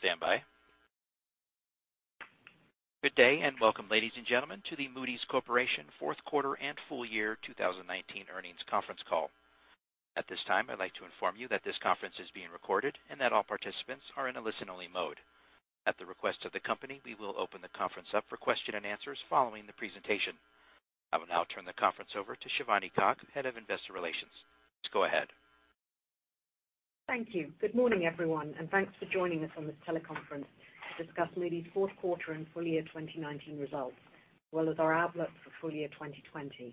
Please standby. Good day, welcome, ladies and gentlemen, to the Moody's Corporation Fourth Quarter and Full Year 2019 Earnings Conference Call. At this time, I'd like to inform you that this conference is being recorded and that all participants are in a listen-only mode. At the request of the company, we will open the conference up for question and answers following the presentation. I will now turn the conference over to Shivani Kak, Head of Investor Relations. Please go ahead. Thank you. Good morning, everyone, and thanks for joining us on this teleconference to discuss Moody's fourth quarter and full year 2019 results, as well as our outlook for full year 2020.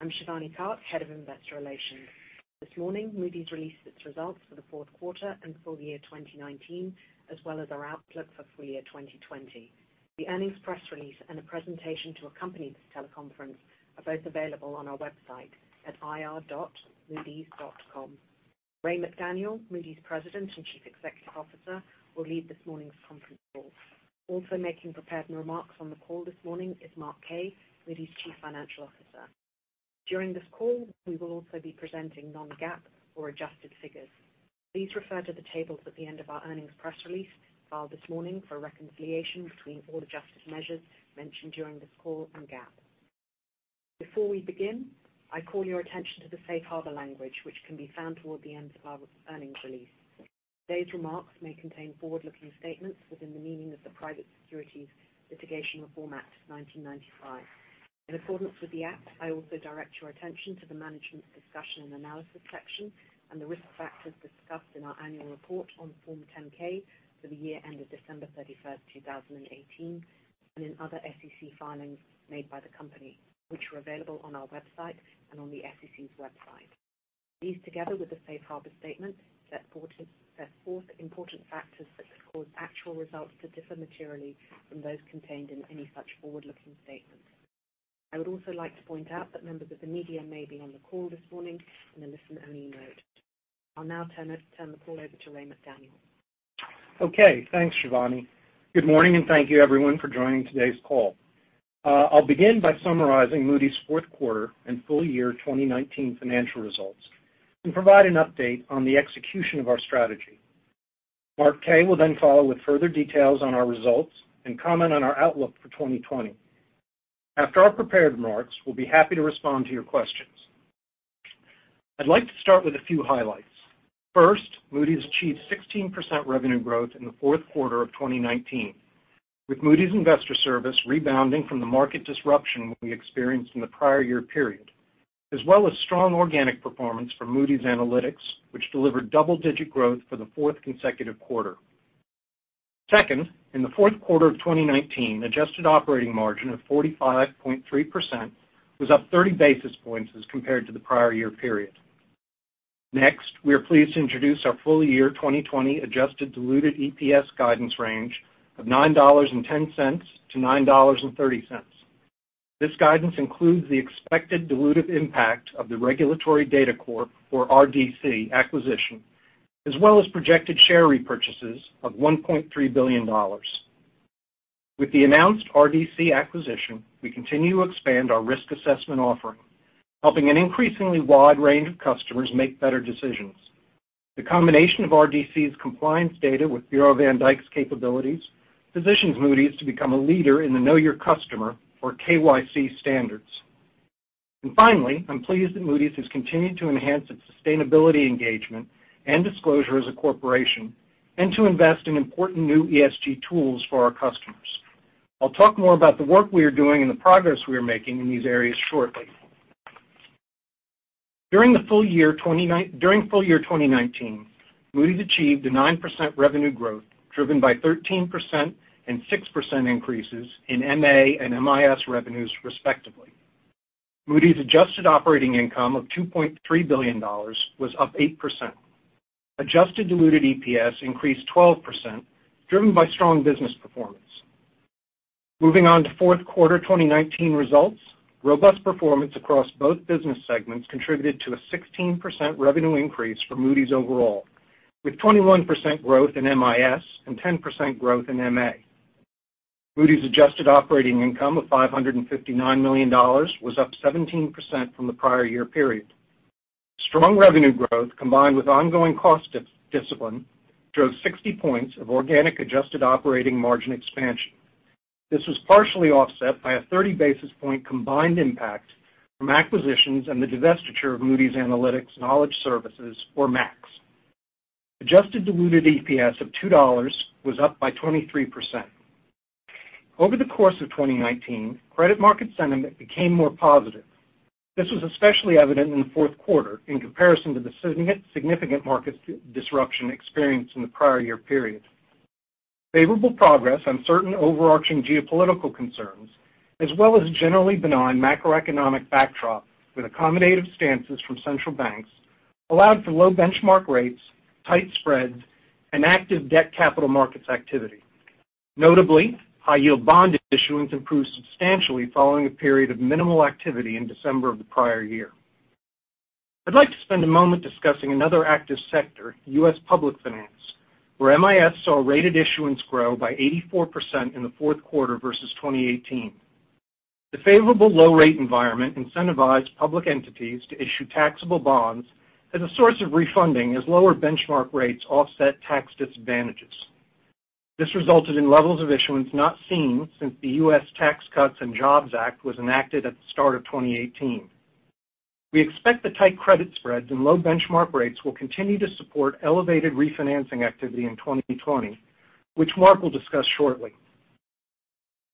I'm Shivani Kak, Head of Investor Relations. This morning, Moody's released its results for the fourth quarter and full year 2019, as well as our outlook for full year 2020. The earnings press release and a presentation to accompany this teleconference are both available on our website at ir.moodys.com. Raymond McDaniel, Moody's President and Chief Executive Officer, will lead this morning's conference call. Also making prepared remarks on the call this morning is Mark Kaye, Moody's Chief Financial Officer. During this call, we will also be presenting non-GAAP or adjusted figures. Please refer to the tables at the end of our earnings press release filed this morning for a reconciliation between all adjusted measures mentioned during this call and GAAP. Before we begin, I call your attention to the safe harbor language, which can be found toward the end of our earnings release. Today's remarks may contain forward-looking statements within the meaning of the Private Securities Litigation Reform Act of 1995. In accordance with the act, I also direct your attention to the Management Discussion and Analysis section and the risk factors discussed in our annual report on Form 10-K for the year ended December 31st, 2018, and in other SEC filings made by the company, which are available on our website and on the SEC's website. These, together with the safe harbor statement, set forth important factors that could cause actual results to differ materially from those contained in any such forward-looking statements. I would also like to point out that members of the media may be on the call this morning in a listen-only mode. I'll now turn the call over to Raymond McDaniel. Okay, thanks, Shivani. Good morning, thank you, everyone, for joining today's call. I'll begin by summarizing Moody's fourth quarter and full year 2019 financial results and provide an update on the execution of our strategy. Mark Kaye will follow with further details on our results and comment on our outlook for 2020. After our prepared remarks, we'll be happy to respond to your questions. I'd like to start with a few highlights. First, Moody's achieved 16% revenue growth in the fourth quarter of 2019, with Moody's Investors Service rebounding from the market disruption we experienced in the prior year period, as well as strong organic performance from Moody's Analytics, which delivered double-digit growth for the fourth consecutive quarter. Second, in the fourth quarter of 2019, adjusted operating margin of 45.3% was up 30 basis points as compared to the prior year period. Next, we are pleased to introduce our full year 2020 adjusted diluted EPS guidance range of $9.10-$9.30. This guidance includes the expected dilutive impact of the Regulatory DataCorp, or RDC, acquisition, as well as projected share repurchases of $1.3 billion. With the announced RDC acquisition, we continue to expand our risk assessment offering, helping an increasingly wide range of customers make better decisions. The combination of RDC's compliance data with Bureau van Dijk's capabilities positions Moody's to become a leader in the Know Your Customer, or KYC, standards. Finally, I'm pleased that Moody's has continued to enhance its sustainability engagement and disclosure as a corporation and to invest in important new ESG tools for our customers. I'll talk more about the work we are doing and the progress we are making in these areas shortly. During full year 2019, Moody's achieved a 9% revenue growth, driven by 13% and 6% increases in MA and MIS revenues, respectively. Moody's adjusted operating income of $2.3 billion was up 8%. Adjusted diluted EPS increased 12%, driven by strong business performance. Moving on to fourth quarter 2019 results, robust performance across both business segments contributed to a 16% revenue increase for Moody's overall, with 21% growth in MIS and 10% growth in MA. Moody's adjusted operating income of $559 million was up 17% from the prior year period. Strong revenue growth, combined with ongoing cost discipline, drove 60 points of organic adjusted operating margin expansion. This was partially offset by a 30-basis-point combined impact from acquisitions and the divestiture of Moody's Analytics Knowledge Services, or MAKS. Adjusted diluted EPS of $2 was up by 23%. Over the course of 2019, credit market sentiment became more positive. This was especially evident in the fourth quarter in comparison to the significant market disruption experienced in the prior year period. Favorable progress on certain overarching geopolitical concerns, as well as a generally benign macroeconomic backdrop with accommodative stances from central banks, allowed for low benchmark rates, tight spreads, and active debt capital markets activity. Notably, high-yield bond issuance improved substantially following a period of minimal activity in December of the prior year. I'd like to spend a moment discussing another active sector, U.S. public finance, where MIS saw rated issuance grow by 84% in the fourth quarter versus 2018. The favorable low-rate environment incentivized public entities to issue taxable bonds as a source of refunding as lower benchmark rates offset tax disadvantages. This resulted in levels of issuance not seen since the U.S. Tax Cuts and Jobs Act was enacted at the start of 2018. We expect the tight credit spreads and low benchmark rates will continue to support elevated refinancing activity in 2020, which Mark will discuss shortly.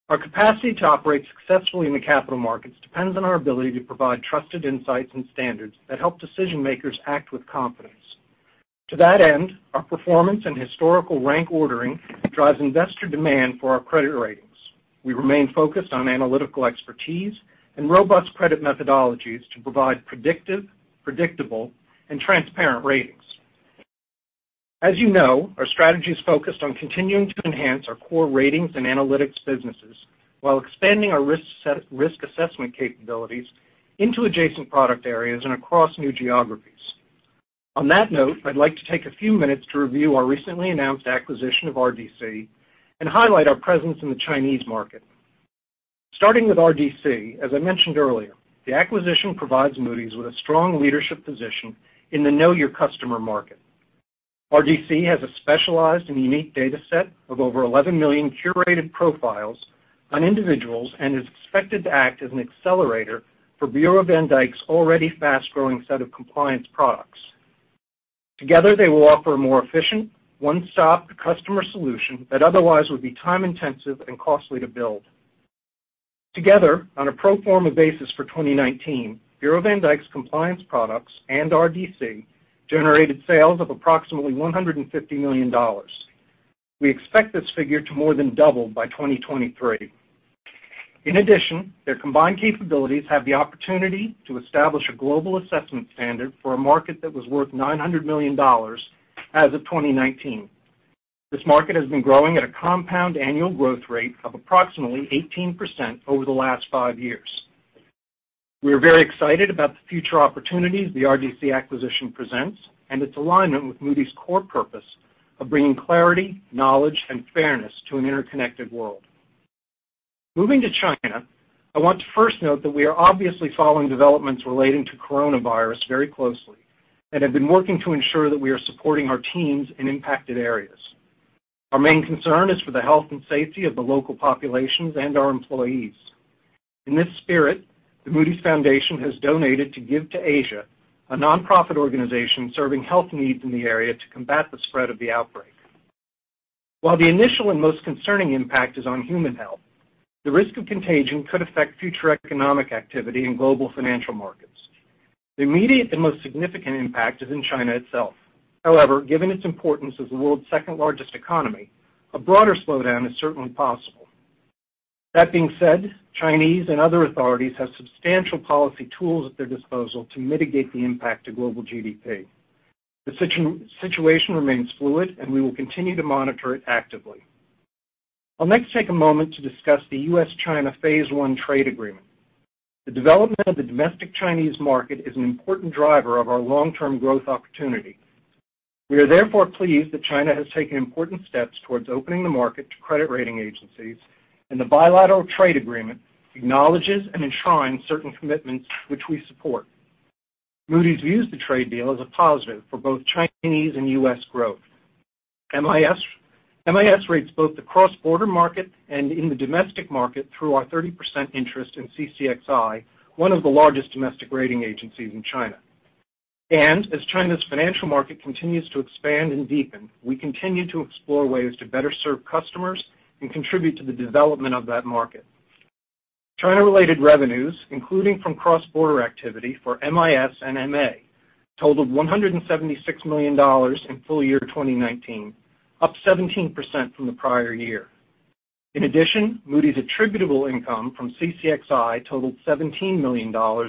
Our capacity to operate successfully in the capital markets depends on our ability to provide trusted insights and standards that help decision-makers act with confidence. To that end, our performance and historical rank ordering drives investor demand for our credit ratings. We remain focused on analytical expertise and robust credit methodologies to provide predictive, predictable, and transparent ratings. As you know, our strategy is focused on continuing to enhance our core ratings and analytics businesses while expanding our risk assessment capabilities into adjacent product areas and across new geographies. On that note, I'd like to take a few minutes to review our recently announced acquisition of RDC and highlight our presence in the Chinese market. Starting with RDC, as I mentioned earlier, the acquisition provides Moody's with a strong leadership position in the know your customer market. RDC has a specialized and unique data set of over 11 million curated profiles on individuals and is expected to act as an accelerator for Bureau van Dijk's already fast-growing set of compliance products. Together, they will offer a more efficient, one-stop customer solution that otherwise would be time-intensive and costly to build. Together, on a pro forma basis for 2019, Bureau van Dijk's compliance products and RDC generated sales of approximately $150 million. We expect this figure to more than double by 2023. In addition, their combined capabilities have the opportunity to establish a global assessment standard for a market that was worth $900 million as of 2019. This market has been growing at a compound annual growth rate of approximately 18% over the last five years. We are very excited about the future opportunities the RDC acquisition presents and its alignment with Moody's core purpose of bringing clarity, knowledge, and fairness to an interconnected world. Moving to China, I want to first note that we are obviously following developments relating to coronavirus very closely and have been working to ensure that we are supporting our teams in impacted areas. Our main concern is for the health and safety of the local populations and our employees. In this spirit, the Moody's Foundation has donated to Give2Asia, a nonprofit organization serving health needs in the area to combat the spread of the outbreak. While the initial and most concerning impact is on human health, the risk of contagion could affect future economic activity in global financial markets. The immediate and most significant impact is in China itself. However, given its importance as the world's second-largest economy, a broader slowdown is certainly possible. That being said, Chinese and other authorities have substantial policy tools at their disposal to mitigate the impact to global GDP. The situation remains fluid. We will continue to monitor it actively. I'll next take a moment to discuss the U.S. China Phase One Trade Agreement. The development of the domestic Chinese market is an important driver of our long-term growth opportunity. We are therefore pleased that China has taken important steps towards opening the market to credit rating agencies. The bilateral trade agreement acknowledges and enshrines certain commitments which we support. Moody's views the trade deal as a positive for both Chinese and U.S. growth. MIS rates both the cross-border market and in the domestic market through our 30% interest in CCXI, one of the largest domestic rating agencies in China. As China's financial market continues to expand and deepen, we continue to explore ways to better serve customers and contribute to the development of that market. China-related revenues, including from cross-border activity for MIS and MA, totaled $176 million in full year 2019, up 17% from the prior year. In addition, Moody's attributable income from CCXI totaled $17 million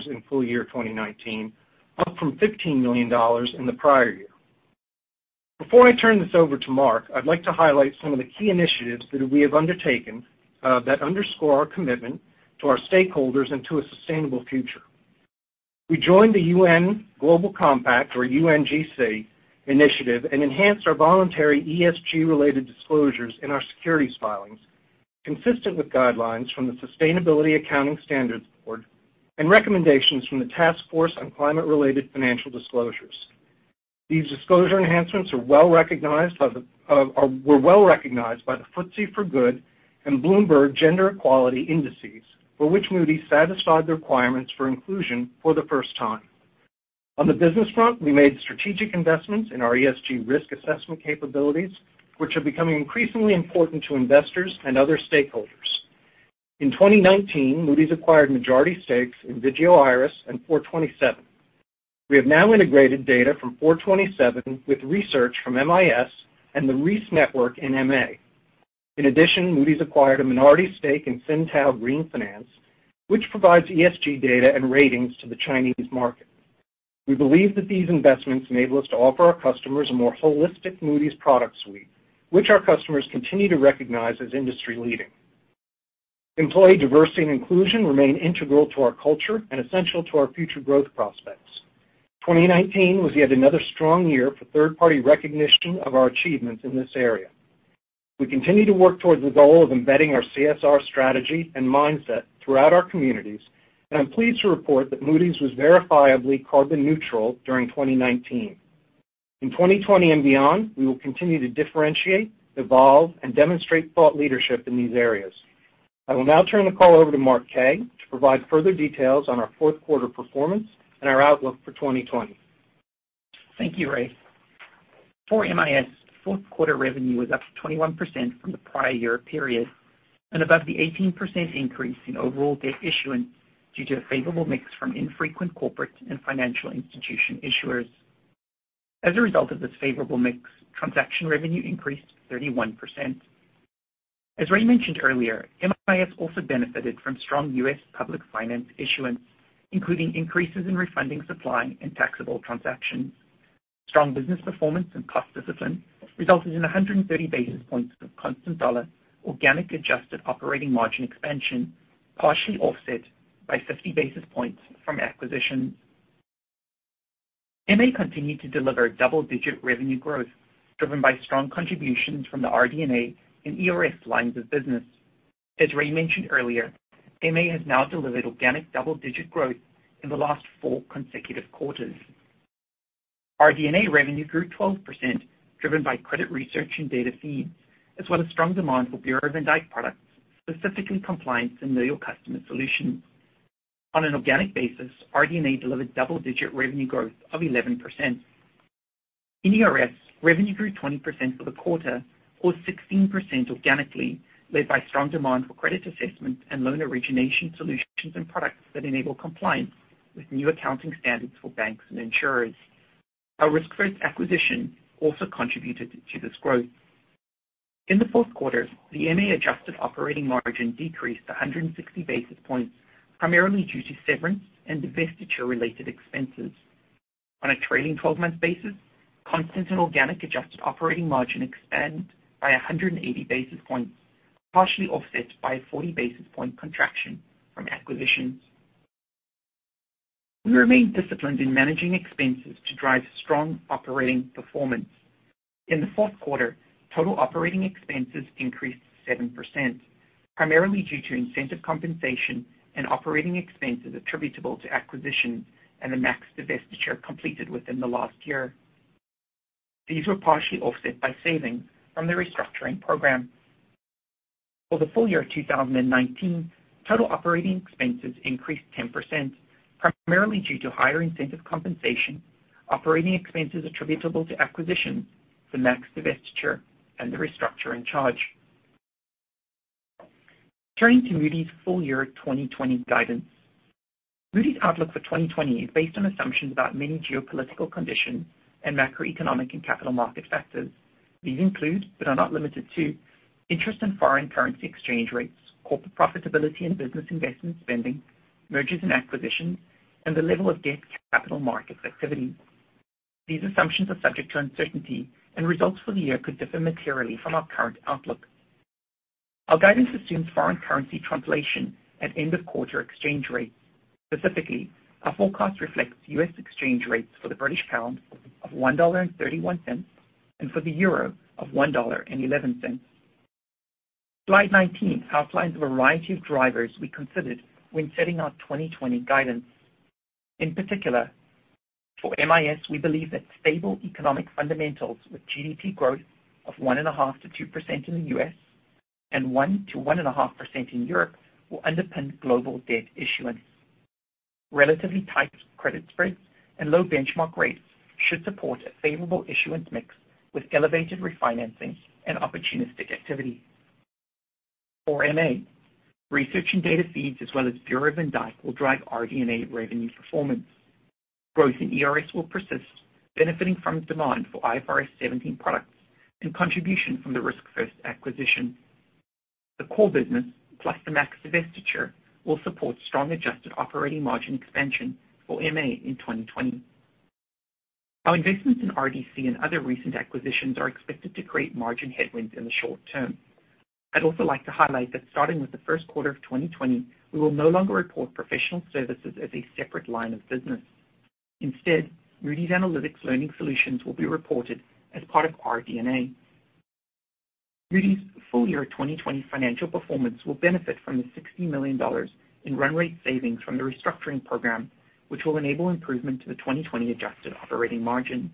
in full year 2019, up from $15 million in the prior year. Before I turn this over to Mark, I'd like to highlight some of the key initiatives that we have undertaken that underscore our commitment to our stakeholders and to a sustainable future. We joined the UN Global Compact, or UNGC, initiative and enhanced our voluntary ESG-related disclosures in our securities filings, consistent with guidelines from the Sustainability Accounting Standards Board and recommendations from the Task Force on Climate-related Financial Disclosures. These disclosure enhancements were well-recognized by the FTSE4Good and Bloomberg Gender-Equality Index, for which Moody's satisfied the requirements for inclusion for the first time. On the business front, we made strategic investments in our ESG risk assessment capabilities, which are becoming increasingly important to investors and other stakeholders. In 2019, Moody's acquired majority stakes in Vigeo Eiris and 427. We have now integrated data from 427 with research from MIS and the Reis Network in MA. In addition, Moody's acquired a minority stake in SynTao Green Finance, which provides ESG data and ratings to the Chinese market. We believe that these investments enable us to offer our customers a more holistic Moody's product suite, which our customers continue to recognize as industry-leading. Employee diversity and inclusion remain integral to our culture and essential to our future growth prospects. 2019 was yet another strong year for third-party recognition of our achievements in this area. We continue to work towards the goal of embedding our CSR strategy and mindset throughout our communities, and I'm pleased to report that Moody's was verifiably carbon neutral during 2019. In 2020 and beyond, we will continue to differentiate, evolve, and demonstrate thought leadership in these areas. I will now turn the call over to Mark Kaye to provide further details on our fourth quarter performance and our outlook for 2020. Thank you, Ray. For MIS, fourth quarter revenue was up 21% from the prior year period and above the 18% increase in overall debt issuance due to a favorable mix from infrequent corporate and financial institution issuers. As a result of this favorable mix, transaction revenue increased 31%. As Ray mentioned earlier, MIS also benefited from strong U.S. public finance issuance, including increases in refunding supply and taxable transactions. Strong business performance and cost discipline resulted in 130 basis points of constant dollar organic adjusted operating margin expansion, partially offset by 50 basis points from acquisitions. MA continued to deliver double-digit revenue growth driven by strong contributions from the RD&A and ERS lines of business. As Ray mentioned earlier, MA has now delivered organic double-digit growth in the last four consecutive quarters. RD&A revenue grew 12%, driven by credit research and data feeds, as well as strong demand for Bureau van Dijk products, specifically compliance and know your customer solutions. On an organic basis, RD&A delivered double-digit revenue growth of 11%. In ERS, revenue grew 20% for the quarter, or 16% organically, led by strong demand for credit assessment and loan origination solutions and products that enable compliance with new accounting standards for banks and insurers. Our RiskFirst acquisition also contributed to this growth. In the fourth quarter, the MA adjusted operating margin decreased 160 basis points, primarily due to severance and divestiture-related expenses. On a trailing 12-month basis, constant and organic adjusted operating margin expanded by 180 basis points, partially offset by a 40 basis point contraction from acquisitions. We remain disciplined in managing expenses to drive strong operating performance. In the fourth quarter, total operating expenses increased 7%, primarily due to incentive compensation and operating expenses attributable to acquisitions and the MAKS divestiture completed within the last year. These were partially offset by savings from the restructuring program. For the full year 2019, total operating expenses increased 10%, primarily due to higher incentive compensation, operating expenses attributable to acquisitions, the MAKS divestiture, and the restructuring charge. Turning to Moody's full year 2020 guidance. Moody's outlook for 2020 is based on assumptions about many geopolitical conditions and macroeconomic and capital market factors. These include, but are not limited to, interest and foreign currency exchange rates, corporate profitability and business investment spending, mergers and acquisitions, and the level of debt capital market activity. These assumptions are subject to uncertainty, and results for the year could differ materially from our current outlook. Our guidance assumes foreign currency translation at end-of-quarter exchange rates. Specifically, our forecast reflects U.S. exchange rates for the British pound of $1.31 and for the euro of $1.11. Slide 19 outlines a variety of drivers we considered when setting our 2020 guidance. In particular, for MIS, we believe that stable economic fundamentals with GDP growth of 1.5%-2% in the U.S. and 1%-1.5% in Europe will underpin global debt issuance. Relatively tight credit spreads and low benchmark rates should support a favorable issuance mix with elevated refinancing and opportunistic activity. For MA, research and data feeds as well as Bureau van Dijk will drive RD&A revenue performance. Growth in ERS will persist, benefiting from demand for IFRS 17 products and contribution from the RiskFirst acquisition. The core business, plus the MAKS divestiture, will support strong adjusted operating margin expansion for MA in 2020. Our investments in RDC and other recent acquisitions are expected to create margin headwinds in the short term. I'd also like to highlight that starting with the first quarter of 2020, we will no longer report professional services as a separate line of business. Instead, Moody's Analytics learning solutions will be reported as part of RD&A. Moody's full-year 2020 financial performance will benefit from the $60 million in run rate savings from the restructuring program, which will enable improvement to the 2020 adjusted operating margin.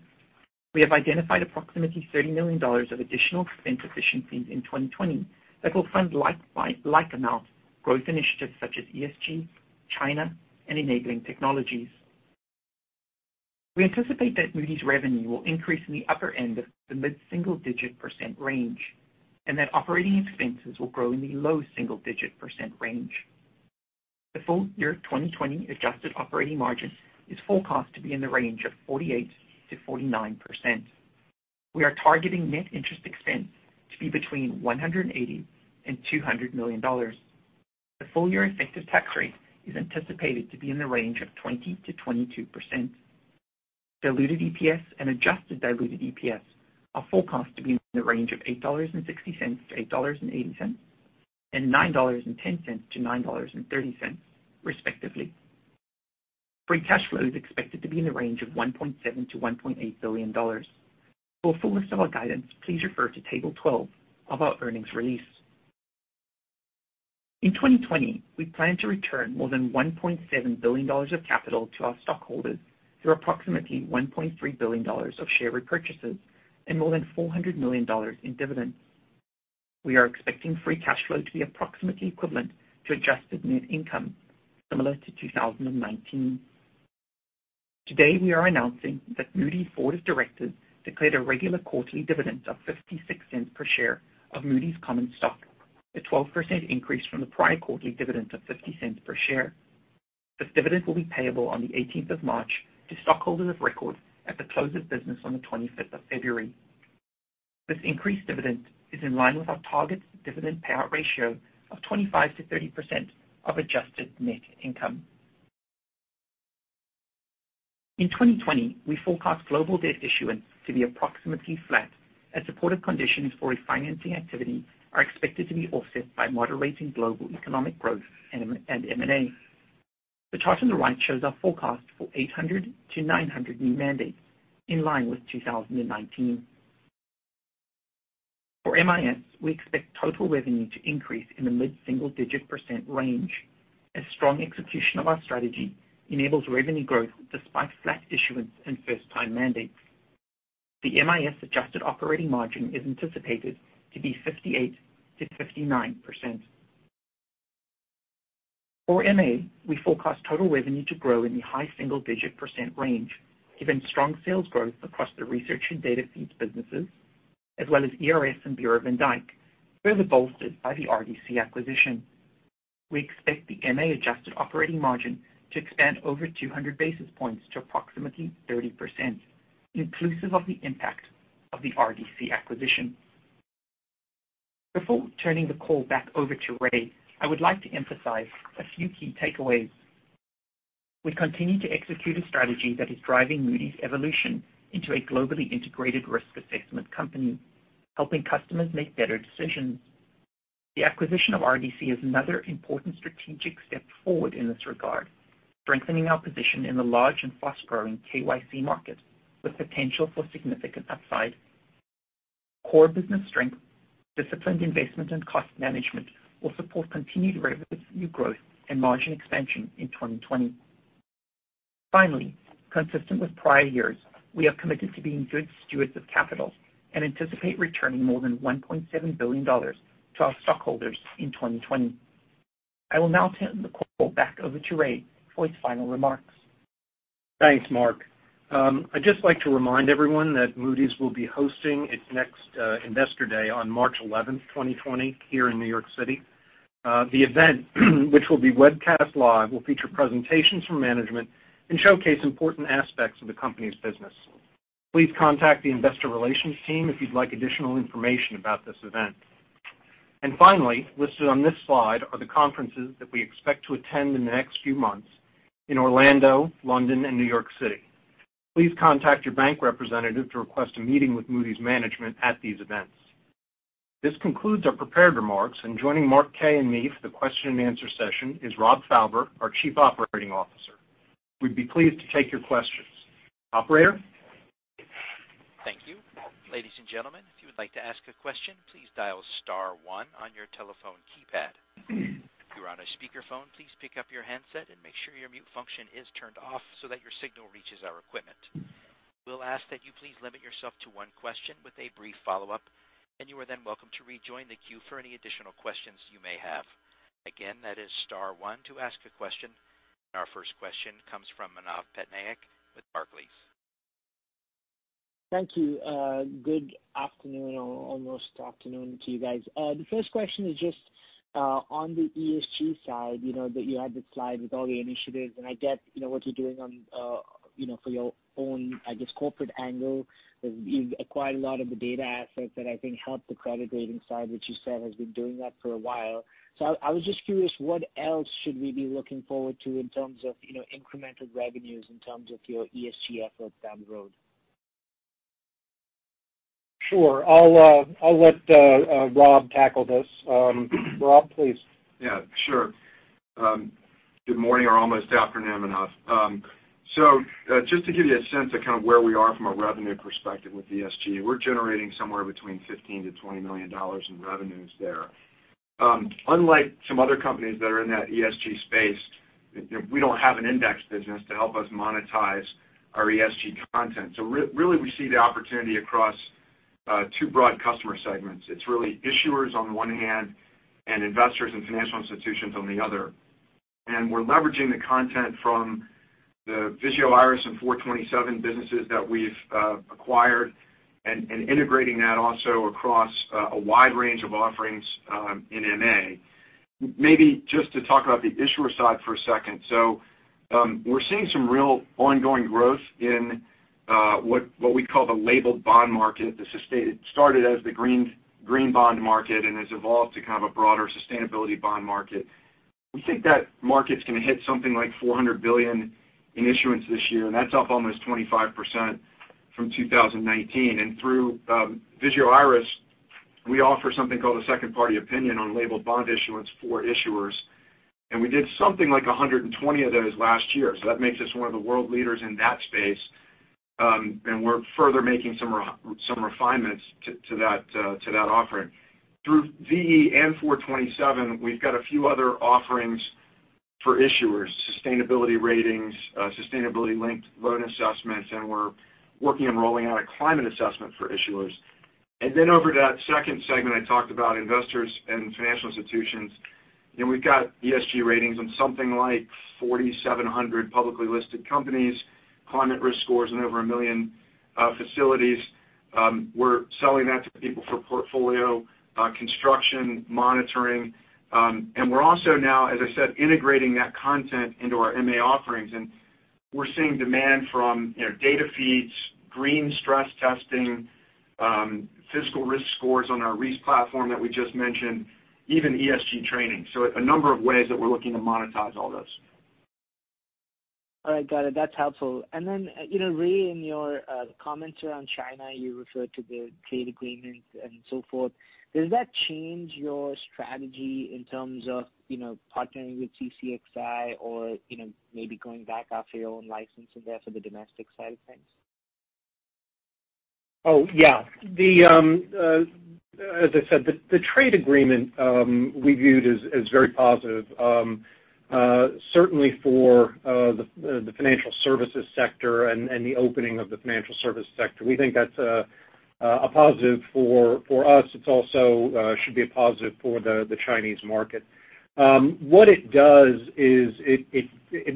We have identified approximately $30 million of additional expense efficiencies in 2020 that will fund like-by-like amount growth initiatives such as ESG, China, and enabling technologies. We anticipate that Moody's revenue will increase in the upper end of the mid-single-digit percent range and that operating expenses will grow in the low single-digit percent range. The full-year 2020 adjusted operating margin is forecast to be in the range of 48%-49%. We are targeting net interest expense to be between $180 million and $200 million. The full-year effective tax rate is anticipated to be in the range of 20%-22%. Diluted EPS and adjusted diluted EPS are forecast to be in the range of $8.60-$8.80, $9.10-$9.30, respectively. Free cash flow is expected to be in the range of $1.7 billion-$1.8 billion. For a full list of our guidance, please refer to Table 12 of our earnings release. In 2020, we plan to return more than $1.7 billion of capital to our stockholders through approximately $1.3 billion of share repurchases and more than $400 million in dividends. We are expecting free cash flow to be approximately equivalent to adjusted net income, similar to 2019. Today, we are announcing that Moody's Board of Directors declared a regular quarterly dividend of $0.56 per share of Moody's common stock, a 12% increase from the prior quarterly dividend of $0.50 per share. This dividend will be payable on the 18th of March to stockholders of record at the close of business on the 25th of February. This increased dividend is in line with our target dividend payout ratio of 25%-30% of adjusted net income. In 2020, we forecast global debt issuance to be approximately flat as supportive conditions for refinancing activity are expected to be offset by moderating global economic growth and M&A. The chart on the right shows our forecast for 800-900 new mandates, in line with 2019. For MIS, we expect total revenue to increase in the mid-single digit percent range as strong execution of our strategy enables revenue growth despite flat issuance and first-time mandates. The MIS adjusted operating margin is anticipated to be 58%-59%. For MA, we forecast total revenue to grow in the high single-digit percent range given strong sales growth across the research and data feeds businesses, as well as ERS and Bureau van Dijk, further bolstered by the RDC acquisition. We expect the MA adjusted operating margin to expand over 200 basis points to approximately 30%, inclusive of the impact of the RDC acquisition. Before turning the call back over to Ray, I would like to emphasize a few key takeaways. We continue to execute a strategy that is driving Moody's evolution into a globally integrated risk assessment company, helping customers make better decisions. The acquisition of RDC is another important strategic step forward in this regard, strengthening our position in the large and fast-growing KYC market with potential for significant upside. Core business strength, disciplined investment, and cost management will support continued revenue growth and margin expansion in 2020. Finally, consistent with prior years, we are committed to being good stewards of capital and anticipate returning more than $1.7 billion to our stockholders in 2020. I will now turn the call back over to Ray for his final remarks. Thanks, Mark. I'd just like to remind everyone that Moody's will be hosting its next Investor Day on March 11th, 2020, here in New York City. The event, which will be webcast live, will feature presentations from management and showcase important aspects of the company's business. Please contact the investor relations team if you'd like additional information about this event. Finally, listed on this slide are the conferences that we expect to attend in the next few months in Orlando, London, and New York City. Please contact your bank representative to request a meeting with Moody's management at these events. This concludes our prepared remarks, and joining Mark Kaye and me for the question and answer session is Rob Fauber, our Chief Operating Officer. We'd be pleased to take your questions. Operator? Thank you. Ladies and gentlemen, if you would like to ask a question, please dial star one on your telephone keypad. If you are on a speakerphone, please pick up your handset and make sure your mute function is turned off so that your signal reaches our equipment. We'll ask that you please limit yourself to one question with a brief follow-up, and you are then welcome to rejoin the queue for any additional questions you may have. Again, that is star one to ask a question. Our first question comes from Manav Patnaik with Barclays. Thank you. Good afternoon, or almost afternoon to you guys. The first question is just on the ESG side, that you had the slide with all the initiatives, and I get what you're doing for your own, I guess, corporate angle. You've acquired a lot of the data assets that I think help the credit rating side, which you said has been doing that for a while. I was just curious, what else should we be looking forward to in terms of incremental revenues in terms of your ESG effort down the road? Sure. I'll let Rob tackle this. Rob, please. Yeah, sure. Good morning or almost afternoon, Manav. Just to give you a sense of kind of where we are from a revenue perspective with ESG, we're generating somewhere between $15 million-$20 million in revenues there. Unlike some other companies that are in that ESG space, we don't have an index business to help us monetize our ESG content. Really, we see the opportunity across two broad customer segments. It's really issuers on one hand and investors and financial institutions on the other. We're leveraging the content from the Vigeo Eiris and 427 businesses that we've acquired and integrating that also across a wide range of offerings in MA. Maybe just to talk about the issuer side for a second. We're seeing some real ongoing growth in what we call the labeled bond market. It started as the green bond market and has evolved to kind of a broader sustainability bond market. We think that market's going to hit something like $400 billion in issuance this year, that's up almost 25% from 2019. Through Vigeo Eiris, we offer something called a second party opinion on labeled bond issuance for issuers, and we did something like 120 of those last year. That makes us one of the world leaders in that space. We're further making some refinements to that offering. Through VE and 427, we've got a few other offerings for issuers, sustainability ratings, sustainability linked loan assessments, and we're working on rolling out a climate assessment for issuers. Over to that second segment I talked about investors and financial institutions, we've got ESG ratings on something like 4,700 publicly listed companies, climate risk scores in over 1 million facilities. We're selling that to people for portfolio construction monitoring. We're also now, as I said, integrating that content into our MA offerings. We're seeing demand from data feeds, green stress testing, fiscal risk scores on our Reis platform that we just mentioned, even ESG training. A number of ways that we're looking to monetize all this. All right, got it. That's helpful. Ray, in your comments around China, you referred to the trade agreement and so forth. Does that change your strategy in terms of partnering with CCXI or maybe going back after your own license in there for the domestic side of things? Oh, yeah. As I said, the trade agreement we viewed as very positive, certainly for the financial services sector and the opening of the financial services sector. We think that's a positive for us. It also should be a positive for the Chinese market. What it does is it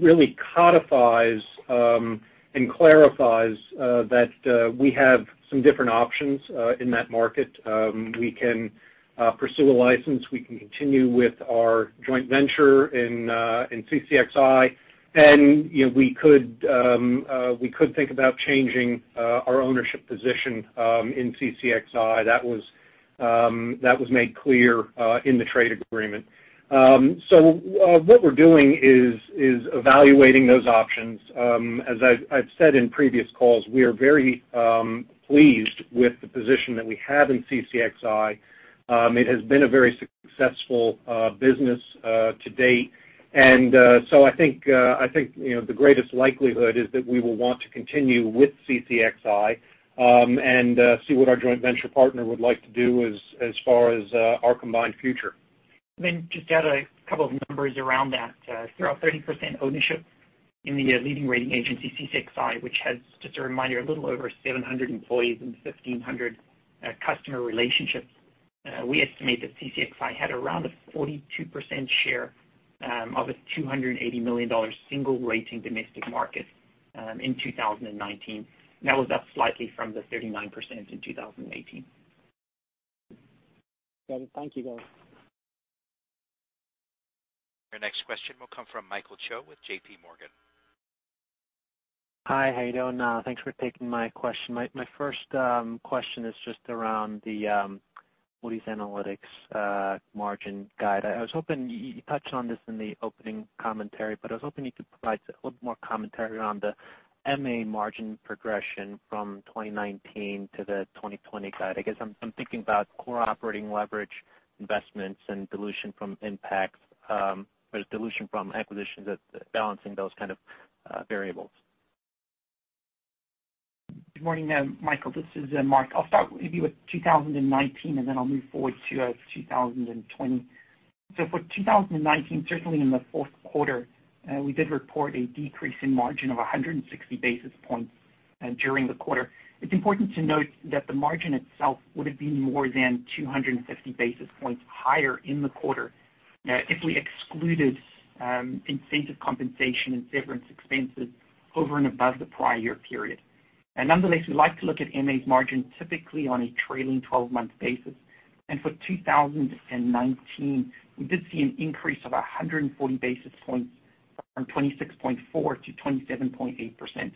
really codifies and clarifies that we have some different options in that market. We can pursue a license, we can continue with our joint venture in CCXI, and we could think about changing our ownership position in CCXI. That was made clear in the trade agreement. What we're doing is evaluating those options. As I've said in previous calls, we are very pleased with the position that we have in CCXI. It has been a very successful business to date. I think the greatest likelihood is that we will want to continue with CCXI, and see what our joint venture partner would like to do as far as our combined future. Just to add a couple of numbers around that. Through our 30% ownership in the leading rating agency, CCXI, which has just a reminder, a little over 700 employees and 1,500 customer relationships. We estimate that CCXI had around a 42% share of its $280 million single rating domestic market in 2019. That was up slightly from the 39% in 2018. Got it. Thank you, guys. Your next question will come from Michael Cho with JPMorgan. Hi, how you doing? Thanks for taking my question. My first question is just around the Moody's Analytics margin guide. You touched on this in the opening commentary. I was hoping you could provide a little more commentary around the MA margin progression from 2019 to the 2020 guide. I guess I'm thinking about core operating leverage investments and dilution from impacts, or dilution from acquisitions that balancing those kind of variables. Good morning, Michael. This is Mark. I'll start maybe with 2019, and then I'll move forward to 2020. For 2019, certainly in the fourth quarter, we did report a decrease in margin of 160 basis points during the quarter. It's important to note that the margin itself would have been more than 250 basis points higher in the quarter if we excluded incentive compensation and severance expenses over and above the prior year period. Nonetheless, we like to look at MA's margin typically on a trailing 12-month basis. For 2019, we did see an increase of 140 basis points from 26.4%-27.8%.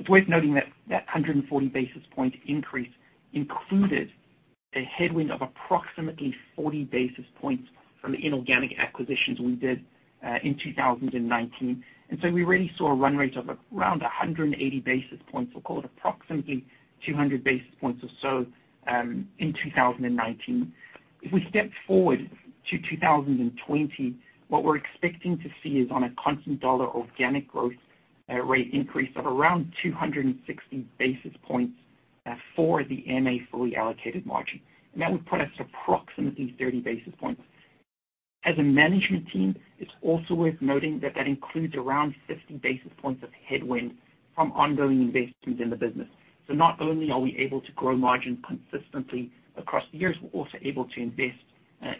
It's worth noting that that 140 basis point increase included a headwind of approximately 40 basis points from the inorganic acquisitions we did in 2019. We really saw a run rate of around 180 basis points. We'll call it approximately 200 basis points or so in 2019. If we step forward to 2020, what we're expecting to see is on a constant dollar organic growth rate increase of around 260 basis points for the MA fully allocated margin. That would put us at approximately 30 basis points. As a management team, it's also worth noting that that includes around 50 basis points of headwind from ongoing investments in the business. Not only are we able to grow margin consistently across the years, we're also able to invest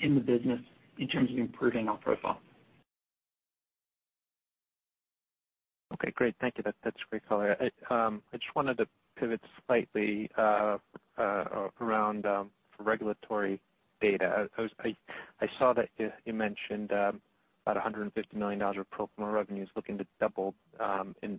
in the business in terms of improving our profile. Okay, great. Thank you. That's great color. I just wanted to pivot slightly around Regulatory Data. I saw that you mentioned about $150 million of pro forma revenues looking to double in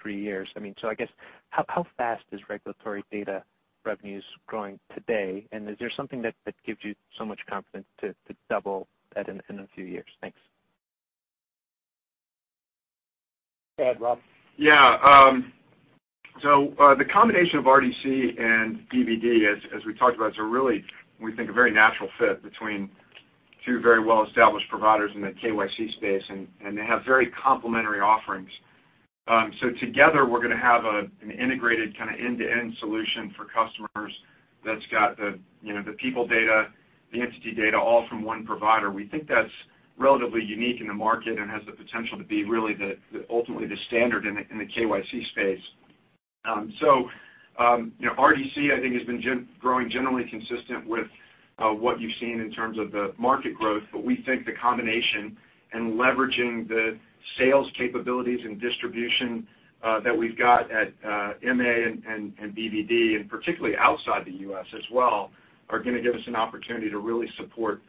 three years. I guess how fast is Regulatory Data revenues growing today? Is there something that gives you so much confidence to double that in a few years? Thanks. Go ahead, Rob. The combination of RDC and BvD, as we talked about, is a really, we think, a very natural fit between two very well-established providers in the KYC space, and they have very complementary offerings. Together, we're going to have an integrated kind of end-to-end solution for customers that's got the people data, the entity data, all from one provider. We think that's relatively unique in the market and has the potential to be really ultimately the standard in the KYC space. RDC, I think, has been growing generally consistent with what you've seen in terms of the market growth. We think the combination and leveraging the sales capabilities and distribution that we've got at MA and BvD, and particularly outside the U.S. as well, are going to give us an opportunity to really support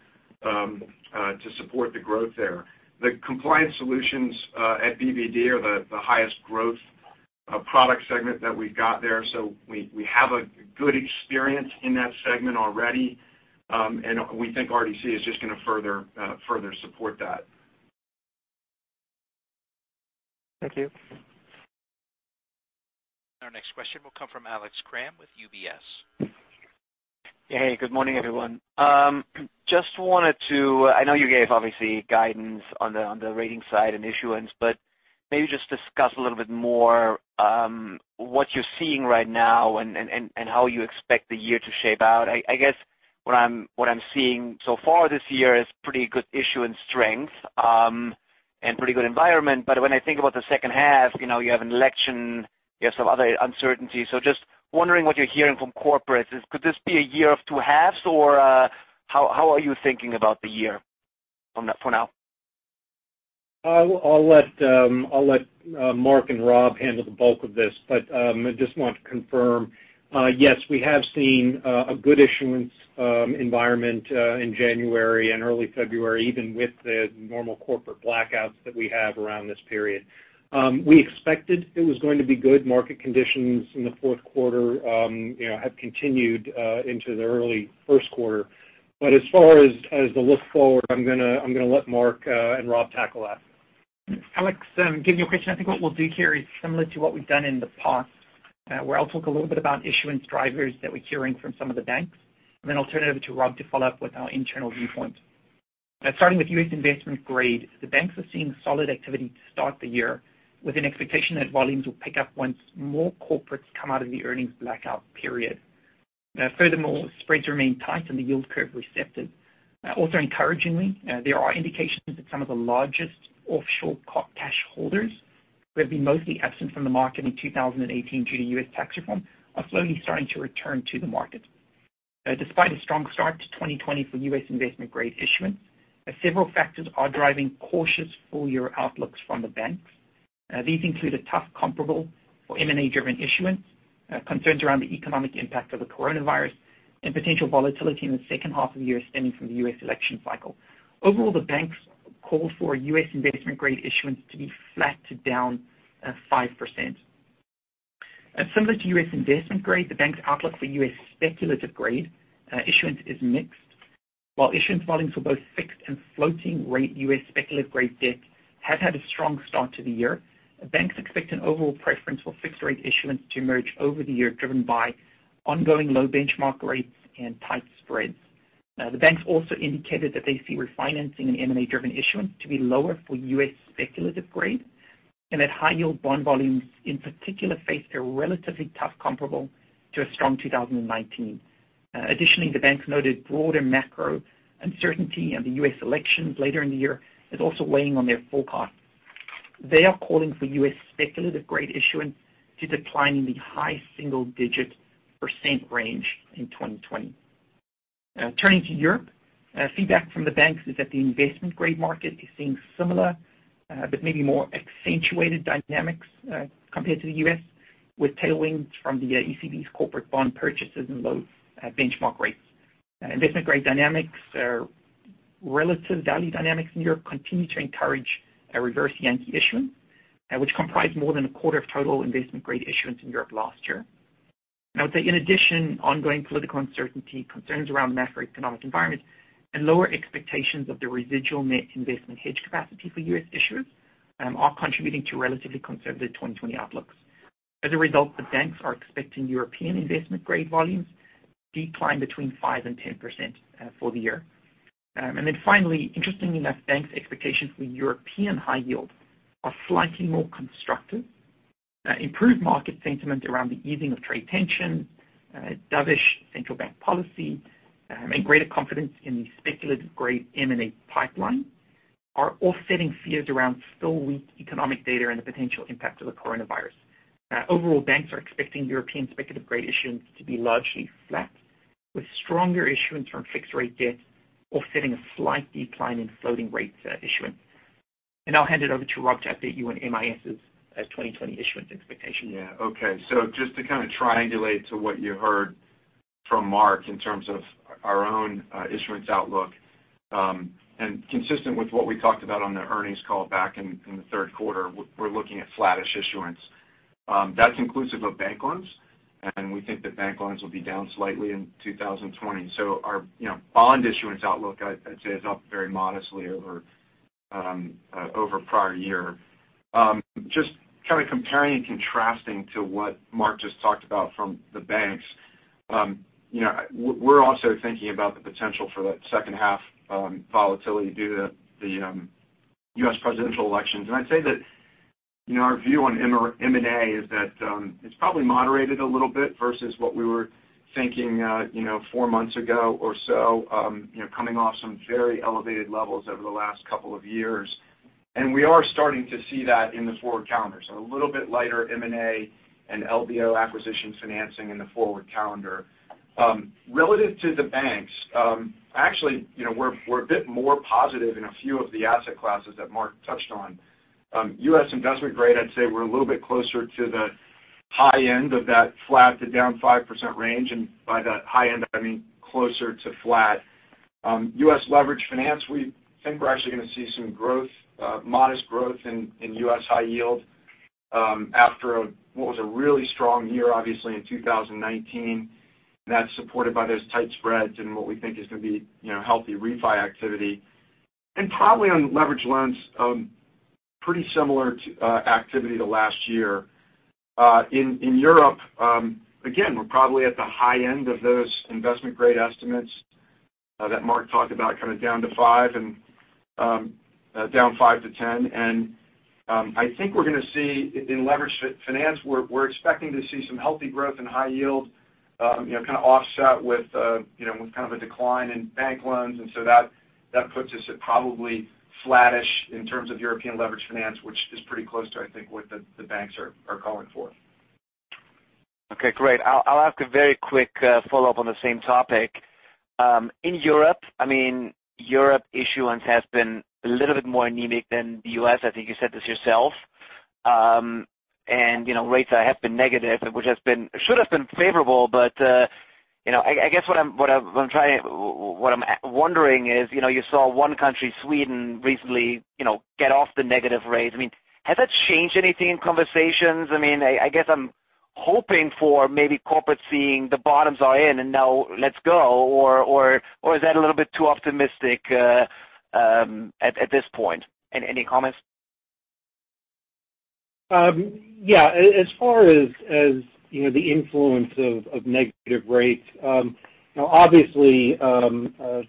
the growth there. The compliance solutions at BvD are the highest growth product segment that we've got there. We have a good experience in that segment already. We think RDC is just going to further support that. Thank you. Our next question will come from Alex Kramm with UBS. Hey, good morning, everyone. I know you gave, obviously, guidance on the ratings side and issuance, maybe just discuss a little bit more what you're seeing right now and how you expect the year to shape out. I guess what I'm seeing so far this year is pretty good issuance strength and pretty good environment. When I think about the second half, you have an election, you have some other uncertainties. Just wondering what you're hearing from corporates. Could this be a year of two halves, or how are you thinking about the year for now? I'll let Mark and Rob handle the bulk of this. I just want to confirm. Yes, we have seen a good issuance environment in January and early February, even with the normal corporate blackouts that we have around this period. We expected it was going to be good market conditions in the fourth quarter, have continued into the early first quarter. As far as the look forward, I'm going to let Mark and Rob tackle that. Alex, given your question, I think what we'll do here is similar to what we've done in the past, where I'll talk a little bit about issuance drivers that we're hearing from some of the banks, and then I'll turn it over to Rob to follow up with our internal viewpoint. Starting with U.S. investment grade, the banks are seeing solid activity to start the year, with an expectation that volumes will pick up once more corporates come out of the earnings blackout period. Furthermore, spreads remain tight and the yield curve receptive. Also encouragingly, there are indications that some of the largest offshore cash holders, who have been mostly absent from the market in 2018 due to U.S. tax reform, are slowly starting to return to the market. Despite a strong start to 2020 for U.S. investment-grade issuance, several factors are driving cautious full-year outlooks from the banks. These include a tough comparable for M&A-driven issuance, concerns around the economic impact of the coronavirus, and potential volatility in the second half of the year stemming from the U.S. election cycle. Overall, the banks call for U.S. investment-grade issuance to be flat to down 5%. Similar to U.S. investment-grade, the bank's outlook for U.S. speculative-grade issuance is mixed. While issuance volumes for both fixed and floating-rate U.S. speculative-grade debt have had a strong start to the year, banks expect an overall preference for fixed-rate issuance to emerge over the year, driven by ongoing low benchmark rates and tight spreads. Now, the banks also indicated that they see refinancing and M&A-driven issuance to be lower for U.S. speculative-grade, and that high-yield bond volumes, in particular, face a relatively tough comparable to a strong 2019. Additionally, the banks noted broader macro uncertainty, and the U.S. elections later in the year is also weighing on their forecast. They are calling for U.S. speculative-grade issuance to decline in the high single-digit percent range in 2020. Turning to Europe, feedback from the banks is that the investment-grade market is seeing similar but maybe more accentuated dynamics compared to the U.S., with tailwinds from the ECB's corporate bond purchases and low benchmark rates. Investment-grade dynamics or relative value dynamics in Europe continue to encourage reverse Yankee issuance, which comprised more than a quarter of total investment-grade issuance in Europe last year. In addition, ongoing political uncertainty, concerns around the macroeconomic environment, and lower expectations of the residual net investment hedge capacity for U.S. issuers are contributing to relatively conservative 2020 outlooks. A result, the banks are expecting European investment-grade volumes decline between 5% and 10% for the year. Finally, interestingly enough, banks' expectations for European high yield are slightly more constructive. Improved market sentiment around the easing of trade tension, dovish central bank policy, and greater confidence in the speculative-grade M&A pipeline are offsetting fears around still-weak economic data and the potential impact of the coronavirus. Banks are expecting European speculative-grade issuance to be largely flat, with stronger issuance from fixed-rate debt offsetting a slight decline in floating rate issuance. I'll hand it over to Rob to update you on MIS' 2020 issuance expectation. Okay. Just to kind of triangulate to what you heard from Mark in terms of our own issuance outlook, and consistent with what we talked about on the earnings call back in the third quarter, we're looking at flattish issuance. That's inclusive of bank loans, and we think that bank loans will be down slightly in 2020. Our bond issuance outlook, I'd say, is up very modestly over prior year. Just kind of comparing and contrasting to what Mark just talked about from the banks. We're also thinking about the potential for that second half volatility due to the U.S. presidential elections. I'd say that our view on M&A is that it's probably moderated a little bit versus what we were thinking four months ago or so. Coming off some very elevated levels over the last couple of years. We are starting to see that in the forward calendar. A little bit lighter M&A and LBO acquisition financing in the forward calendar. Relative to the banks, actually, we're a bit more positive in a few of the asset classes that Mark touched on. U.S. investment grade, I'd say we're a little bit closer to the high end of that flat to down 5% range. By that high end, I mean closer to flat. U.S. leverage finance, we think we're actually going to see some modest growth in U.S. high yield after what was a really strong year, obviously, in 2019. That's supported by those tight spreads and what we think is going to be healthy refi activity. Probably on leverage loans, pretty similar activity to last year. In Europe, again, we're probably at the high end of those investment-grade estimates that Mark talked about, kind of down to five and down 5-10. I think we're going to see in leveraged finance, we're expecting to see some healthy growth in high yield, kind of offset with kind of a decline in bank loans. That puts us at probably flattish in terms of European leverage finance, which is pretty close to, I think, what the banks are calling for. Okay, great. I'll ask a very quick follow-up on the same topic. In Europe issuance has been a little bit more anemic than the U.S. I think you said this yourself. Rates have been negative, which should have been favorable. I guess what I'm wondering is, you saw one country, Sweden, recently get off the negative rates. Has that changed anything in conversations? I guess I'm hoping for maybe corporate seeing the bottoms are in and now let's go, or is that a little bit too optimistic at this point? Any comments? As far as the influence of negative rates obviously the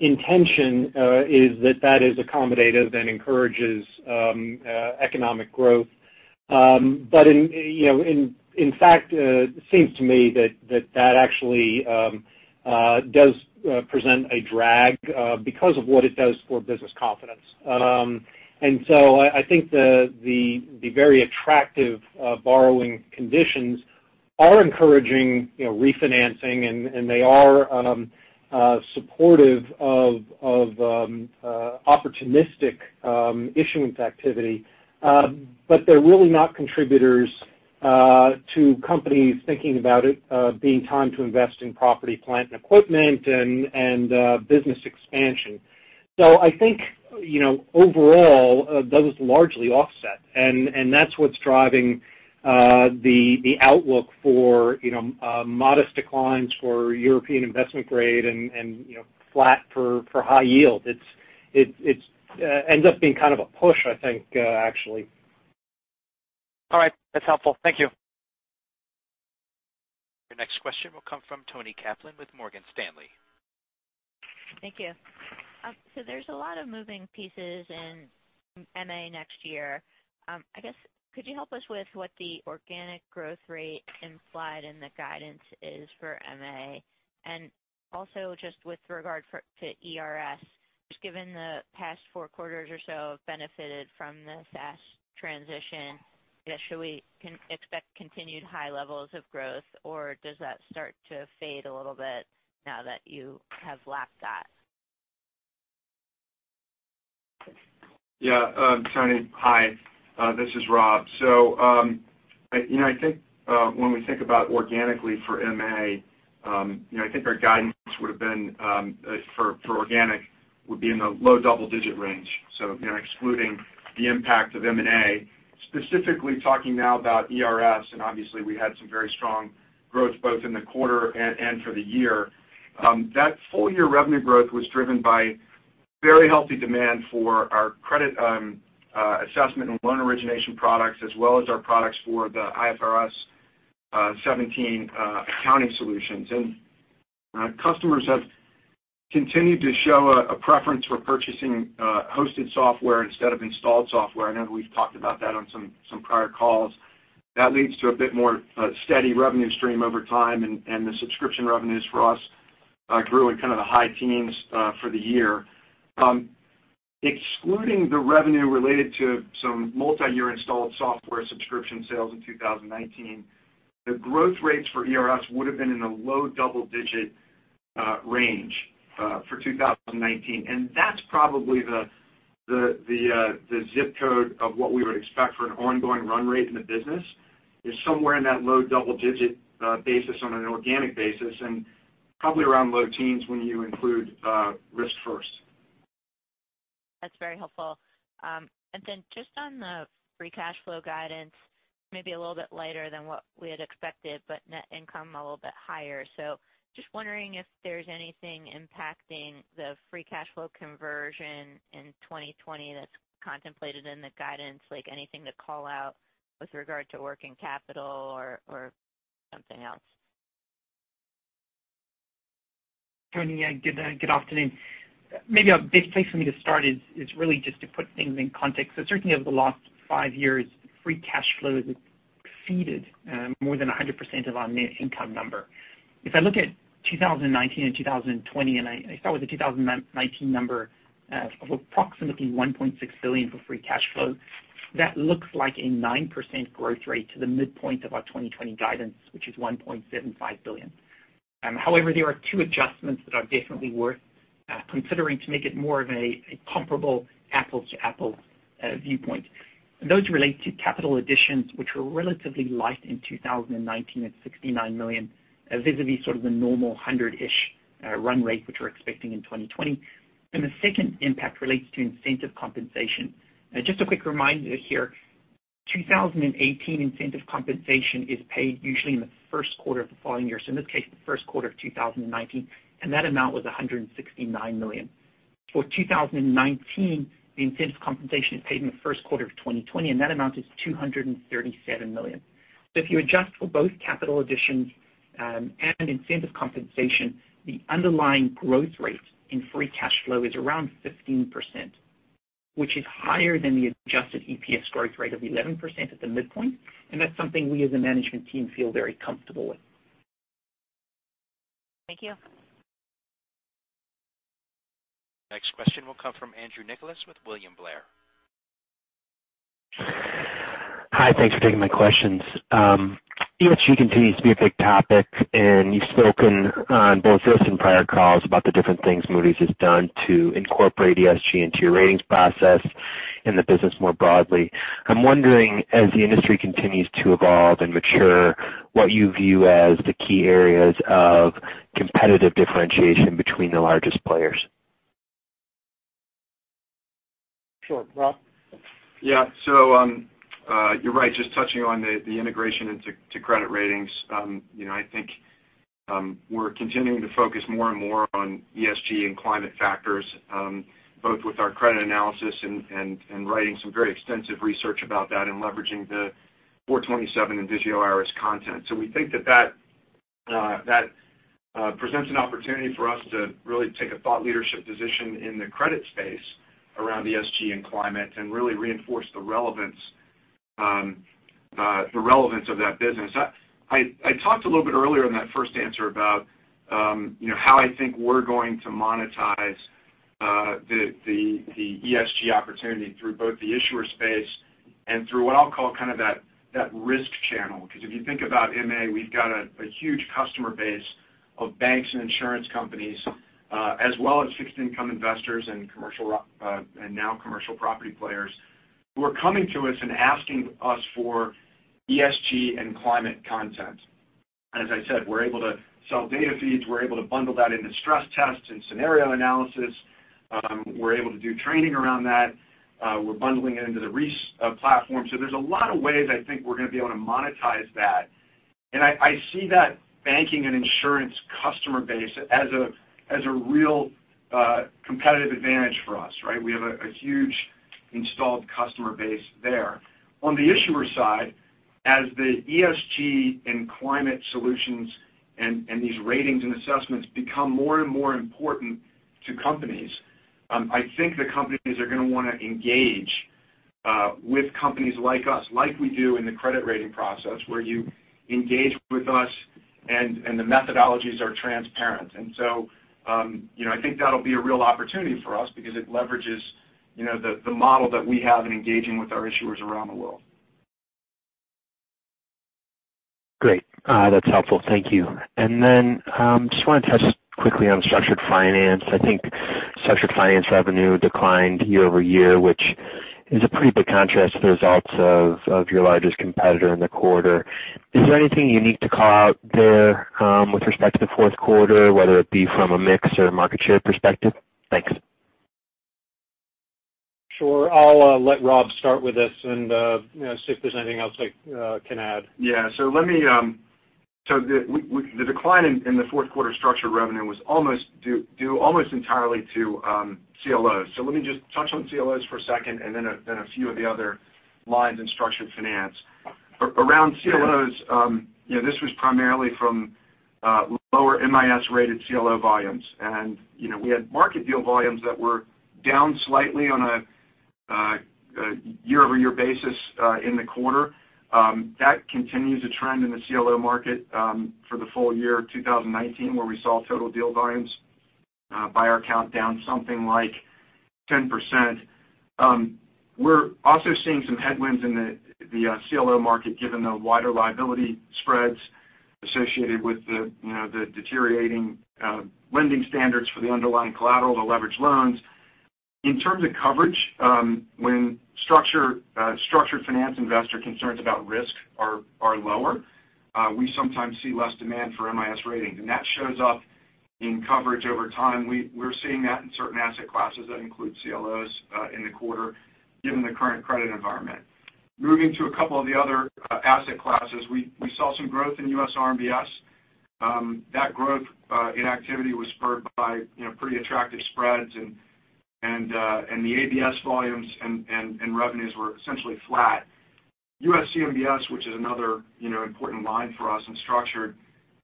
intention is that that is accommodative and encourages economic growth. In fact, it seems to me that that actually does present a drag because of what it does for business confidence. I think the very attractive borrowing conditions are encouraging refinancing, and they are supportive of opportunistic issuance activity. They're really not contributors to companies thinking about it being time to invest in property, plant, and equipment, and business expansion. I think overall, those largely offset, and that's what's driving the outlook for modest declines for European investment grade and flat for high yield. It ends up being kind of a push, I think, actually. All right. That's helpful. Thank you. Your next question will come from Toni Kaplan with Morgan Stanley. Thank you. There's a lot of moving pieces in MA next year. I guess, could you help us with what the organic growth rate implied in the guidance is for MA? Also just with regard to ERS, just given the past four quarters or so have benefited from the SaaS transition, I guess, should we expect continued high levels of growth, or does that start to fade a little bit now that you have lapped that? Toni, hi. This is Rob. I think when we think about organically for MA I think our guidance for organic would be in the low double-digit range. Excluding the impact of M&A. Specifically talking now about ERS, obviously we had some very strong growth both in the quarter and for the year. That full-year revenue growth was driven by very healthy demand for our credit assessment and loan origination products, as well as our products for the IFRS 17 accounting solutions. Customers have continued to show a preference for purchasing hosted software instead of installed software. I know we've talked about that on some prior calls. That leads to a bit more steady revenue stream over time, the subscription revenues for us grew in kind of the high teens for the year. Excluding the revenue related to some multi-year installed software subscription sales in 2019, the growth rates for ERS would have been in the low double-digit range for 2019. That's probably the zip code of what we would expect for an ongoing run rate in the business, is somewhere in that low double-digit basis on an organic basis. Probably around low teens when you include RiskFirst. That's very helpful. Then just on the free cash flow guidance, maybe a little bit lighter than what we had expected, but net income a little bit higher. Just wondering if there's anything impacting the free cash flow conversion in 2020 that's contemplated in the guidance, like anything to call out with regard to working capital or something else? Toni, good afternoon. Maybe a big place for me to start is really just to put things in context. Certainly over the last five years, free cash flow has exceeded more than 100% of our net income number. If I look at 2019 and 2020, and I start with the 2019 number of approximately $1.6 billion for free cash flow, that looks like a 9% growth rate to the midpoint of our 2020 guidance, which is $1.75 billion. However, there are two adjustments that are definitely worth considering to make it more of a comparable apples-to-apples viewpoint. Those relate to capital additions, which were relatively light in 2019 at $69 million, vis-a-vis sort of the normal hundred-ish run rate, which we're expecting in 2020. The second impact relates to incentive compensation. Just a quick reminder here, 2018 incentive compensation is paid usually in the first quarter of the following year, so in this case, the first quarter of 2019, and that amount was $169 million. For 2019, the incentive compensation is paid in the first quarter of 2020, and that amount is $237 million. If you adjust for both capital additions and incentive compensation, the underlying growth rate in free cash flow is around 15%, which is higher than the adjusted EPS growth rate of 11% at the midpoint. That's something we as a management team feel very comfortable with. Thank you. Next question will come from Andrew Nicholas with William Blair. Hi. Thanks for taking my questions. ESG continues to be a big topic, and you've spoken on both this and prior calls about the different things Moody's has done to incorporate ESG into your ratings process in the business more broadly. I'm wondering, as the industry continues to evolve and mature, what you view as the key areas of competitive differentiation between the largest players. Sure. Rob? Yeah. You're right. Just touching on the integration into credit ratings. I think we're continuing to focus more and more on ESG and climate factors, both with our credit analysis and writing some very extensive research about that and leveraging the 427 Vigeo Eiris content. We think that presents an opportunity for us to really take a thought leadership position in the credit space around ESG and climate and really reinforce the relevance of that business. I talked a little bit earlier in that first answer about how I think we're going to monetize the ESG opportunity through both the issuer space and through what I'll call kind of that risk channel. Because if you think about MA, we've got a huge customer base of banks and insurance companies, as well as fixed income investors and now commercial property players who are coming to us and asking us for ESG and climate content. As I said, we're able to sell data feeds, we're able to bundle that into stress tests and scenario analysis. We're able to do training around that. We're bundling it into the Reis platform. There's a lot of ways I think we're going to be able to monetize that. I see that banking and insurance customer base as a real competitive advantage for us, right? We have a huge installed customer base there. On the issuer side, as the ESG and climate solutions and these ratings and assessments become more and more important to companies, I think the companies are going to want to engage with companies like us, like we do in the credit rating process, where you engage with us and the methodologies are transparent. I think that'll be a real opportunity for us because it leverages the model that we have in engaging with our issuers around the world. Great. That's helpful. Thank you. Just want to touch quickly on structured finance. I think structured finance revenue declined year-over-year, which is a pretty big contrast to the results of your largest competitor in the quarter. Is there anything unique to call out there with respect to the fourth quarter, whether it be from a mix or market share perspective? Thanks. Sure. I'll let Rob start with this and see if there's anything else I can add. Yeah. The decline in the fourth quarter structure revenue was due almost entirely to CLOs. Let me just touch on CLOs for a second and then a few of the other lines in structured finance. Around CLOs, this was primarily from lower MIS-rated CLO volumes. We had market deal volumes that were down slightly on a year-over-year basis in the quarter. That continues a trend in the CLO market for the full year 2019, where we saw total deal volumes by our count down something like 10%. We're also seeing some headwinds in the CLO market given the wider liability spreads associated with the deteriorating lending standards for the underlying collateral or leverage loans. In terms of coverage, when structured finance investor concerns about risk are lower, we sometimes see less demand for MIS ratings, and that shows up in coverage over time. We're seeing that in certain asset classes that include CLOs in the quarter, given the current credit environment. Moving to a couple of the other asset classes, we saw some growth in U.S. RMBS. That growth in activity was spurred by pretty attractive spreads, and the ABS volumes and revenues were essentially flat. U.S. CMBS, which is another important line for us in structured,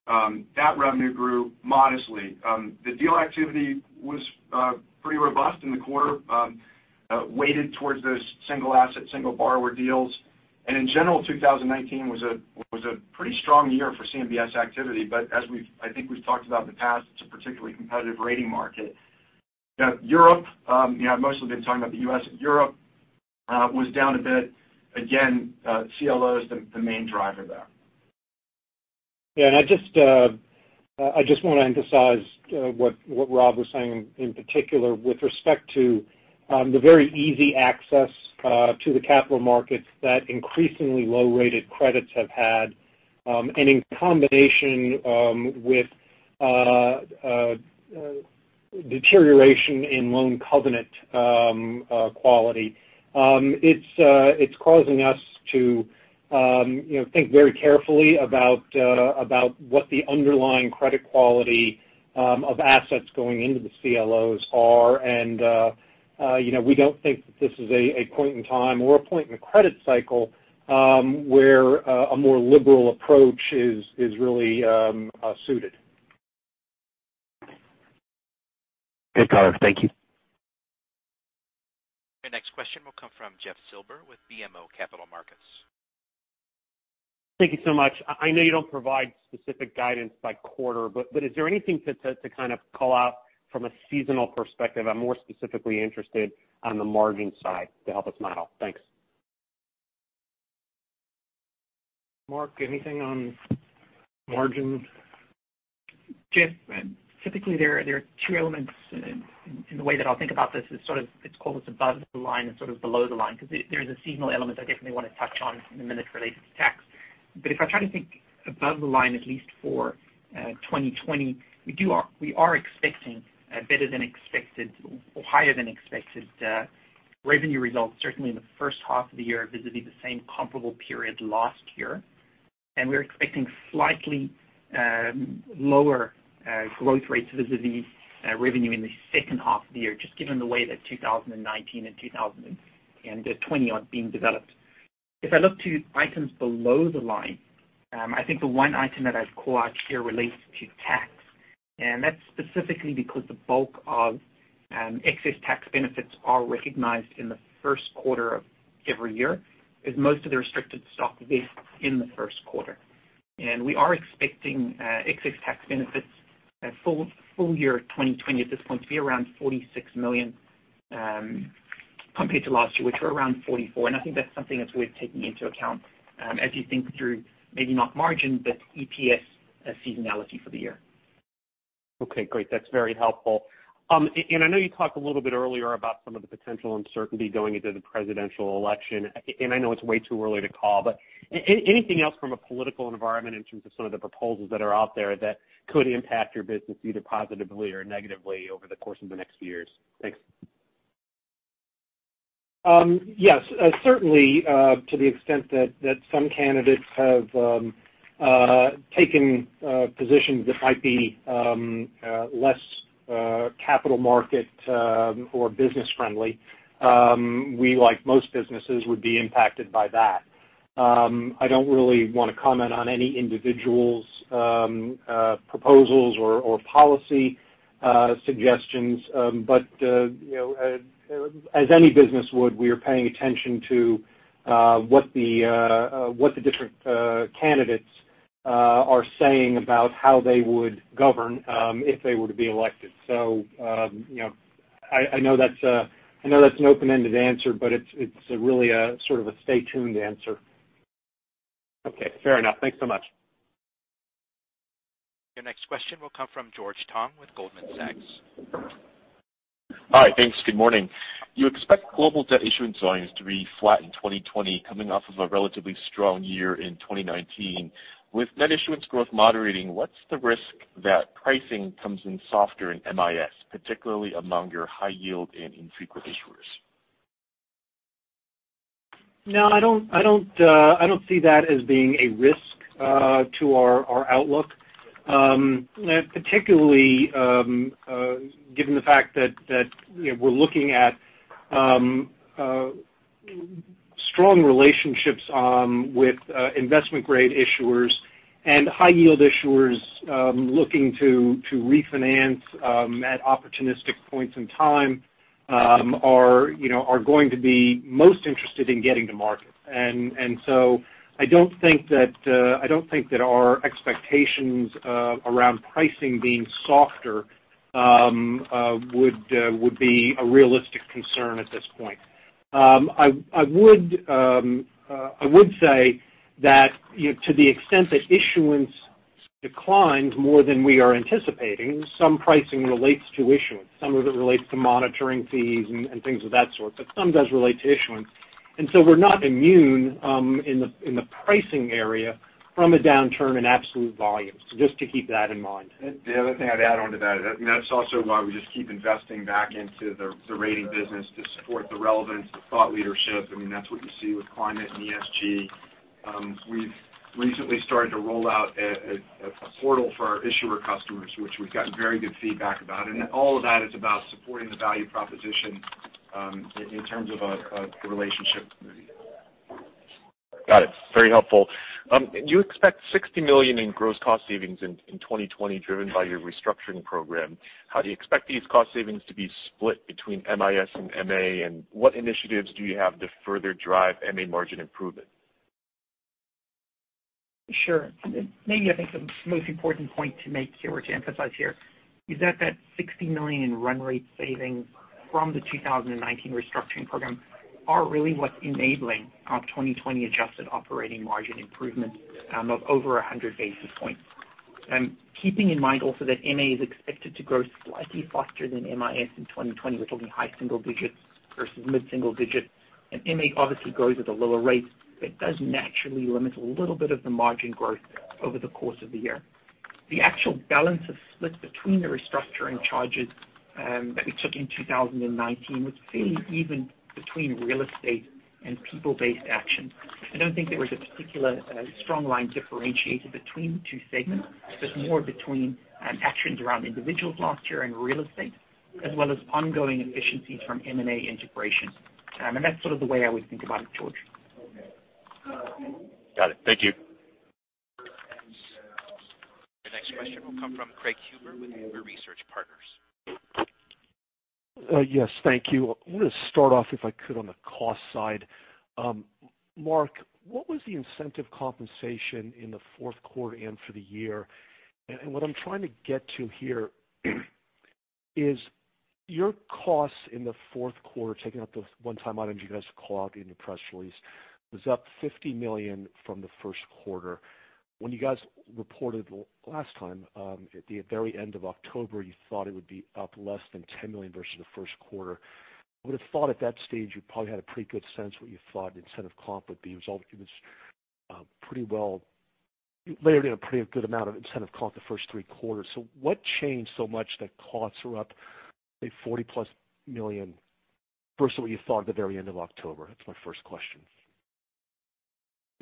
that revenue grew modestly. The deal activity was pretty robust in the quarter, weighted towards those single asset, single borrower deals. In general, 2019 was a pretty strong year for CMBS activity. As I think we've talked about in the past, it's a particularly competitive rating market. Europe, mostly been talking about the U.S., Europe was down a bit. Again, CLO is the main driver there. Yeah, I just want to emphasize what Rob was saying in particular with respect to the very easy access to the capital markets that increasingly low-rated credits have had, and in combination with deterioration in loan covenant quality. It's causing us to think very carefully about what the underlying credit quality of assets going into the CLOs are. We don't think that this is a point in time or a point in the credit cycle where a more liberal approach is really suited. Okay, Carter. Thank you. Your next question will come from Jeffrey Silber with BMO Capital Markets. Thank you so much. I know you don't provide specific guidance by quarter. Is there anything to kind of call out from a seasonal perspective? I'm more specifically interested on the margin side to help us model. Thanks. Mark, anything on margin? Jeff, typically there are two elements in the way that I'll think about this is sort of, it's called above the line and sort of below the line. There's a seasonal element I definitely want to touch on in a minute relating to tax. If I try to think above the line, at least for 2020, we are expecting a better than expected or higher than expected revenue results, certainly in the first half of the year vis-à-vis the same comparable period last year. We're expecting slightly lower growth rates vis-à-vis revenue in the second half of the year, just given the way that 2019 and 2020 are being developed. If I look to items below the line, I think the one item that I'd call out here relates to tax. That's specifically because the bulk of excess tax benefits are recognized in the first quarter of every year, as most of the restricted stock vests in the first quarter. We are expecting excess tax benefits at full year 2020 at this point to be around $46 million, compared to last year, which were around $44 million. I think that's something that's worth taking into account as you think through maybe not margin, but EPS seasonality for the year. Okay, great. That's very helpful. I know you talked a little bit earlier about some of the potential uncertainty going into the presidential election, and I know it's way too early to call, but anything else from a political environment in terms of some of the proposals that are out there that could impact your business either positively or negatively over the course of the next few years? Thanks. Yes. Certainly, to the extent that some candidates have taken positions that might be less capital market or business friendly. We, like most businesses, would be impacted by that. I don't really want to comment on any individual's proposals or policy suggestions. As any business would, we are paying attention to what the different candidates are saying about how they would govern if they were to be elected. I know that's an open-ended answer, but it's really a sort of a stay tuned answer. Okay, fair enough. Thanks so much. Your next question will come from George Tong with Goldman Sachs. Hi, thanks. Good morning. You expect global debt issuance volumes to be flat in 2020, coming off of a relatively strong year in 2019. With net issuance growth moderating, what's the risk that pricing comes in softer in MIS, particularly among your high yield and infrequent issuers? No, I don't see that as being a risk to our outlook. Particularly given the fact that we're looking at strong relationships with investment grade issuers and high yield issuers looking to refinance at opportunistic points in time are going to be most interested in getting to market. I don't think that our expectations around pricing being softer would be a realistic concern at this point. I would say that to the extent that issuance declines more than we are anticipating. Some pricing relates to issuance, some of it relates to monitoring fees and things of that sort, but some does relate to issuance. We're not immune in the pricing area from a downturn in absolute volumes, so just to keep that in mind. The other thing I'd add onto that's also why we just keep investing back into the rating business to support the relevance, the thought leadership. That's what you see with climate and ESG. We've recently started to roll out a portal for our issuer customers, which we've gotten very good feedback about. All of that is about supporting the value proposition in terms of the relationship. Got it. Very helpful. You expect $60 million in gross cost savings in 2020, driven by your restructuring program. How do you expect these cost savings to be split between MIS and MA? What initiatives do you have to further drive MA margin improvement? Sure. Maybe I think the most important point to make here or to emphasize here is that that $60 million in run rate savings from the 2019 restructuring program are really what's enabling our 2020 adjusted operating margin improvement of over 100 basis points. Keeping in mind also that MA is expected to grow slightly faster than MIS in 2020. We're talking high single digits versus mid single digits. MA obviously grows at a lower rate. It does naturally limit a little bit of the margin growth over the course of the year. The actual balance of splits between the restructuring charges that we took in 2019 was fairly even between real estate and people-based actions. I don't think there was a particular strong line differentiated between the two segments, but more between actions around individuals last year and real estate, as well as ongoing efficiencies from M&A integration. That's sort of the way I would think about it, George. Got it. Thank you. The next question will come from Craig Huber with Huber Research Partners. Yes, thank you. I want to start off, if I could, on the cost side. Mark, what was the incentive compensation in the fourth quarter and for the year? What I'm trying to get to here is your costs in the fourth quarter, taking out the one-time items you guys call out in your press release, was up $50 million from the first quarter. When you guys reported last time at the very end of October, you thought it would be up less than $10 million versus the first quarter. I would have thought at that stage you probably had a pretty good sense what you thought incentive comp would be. You layered in a pretty good amount of incentive comp the first three quarters. What changed so much that costs are up, say, $40+ million versus what you thought at the very end of October? That's my first question.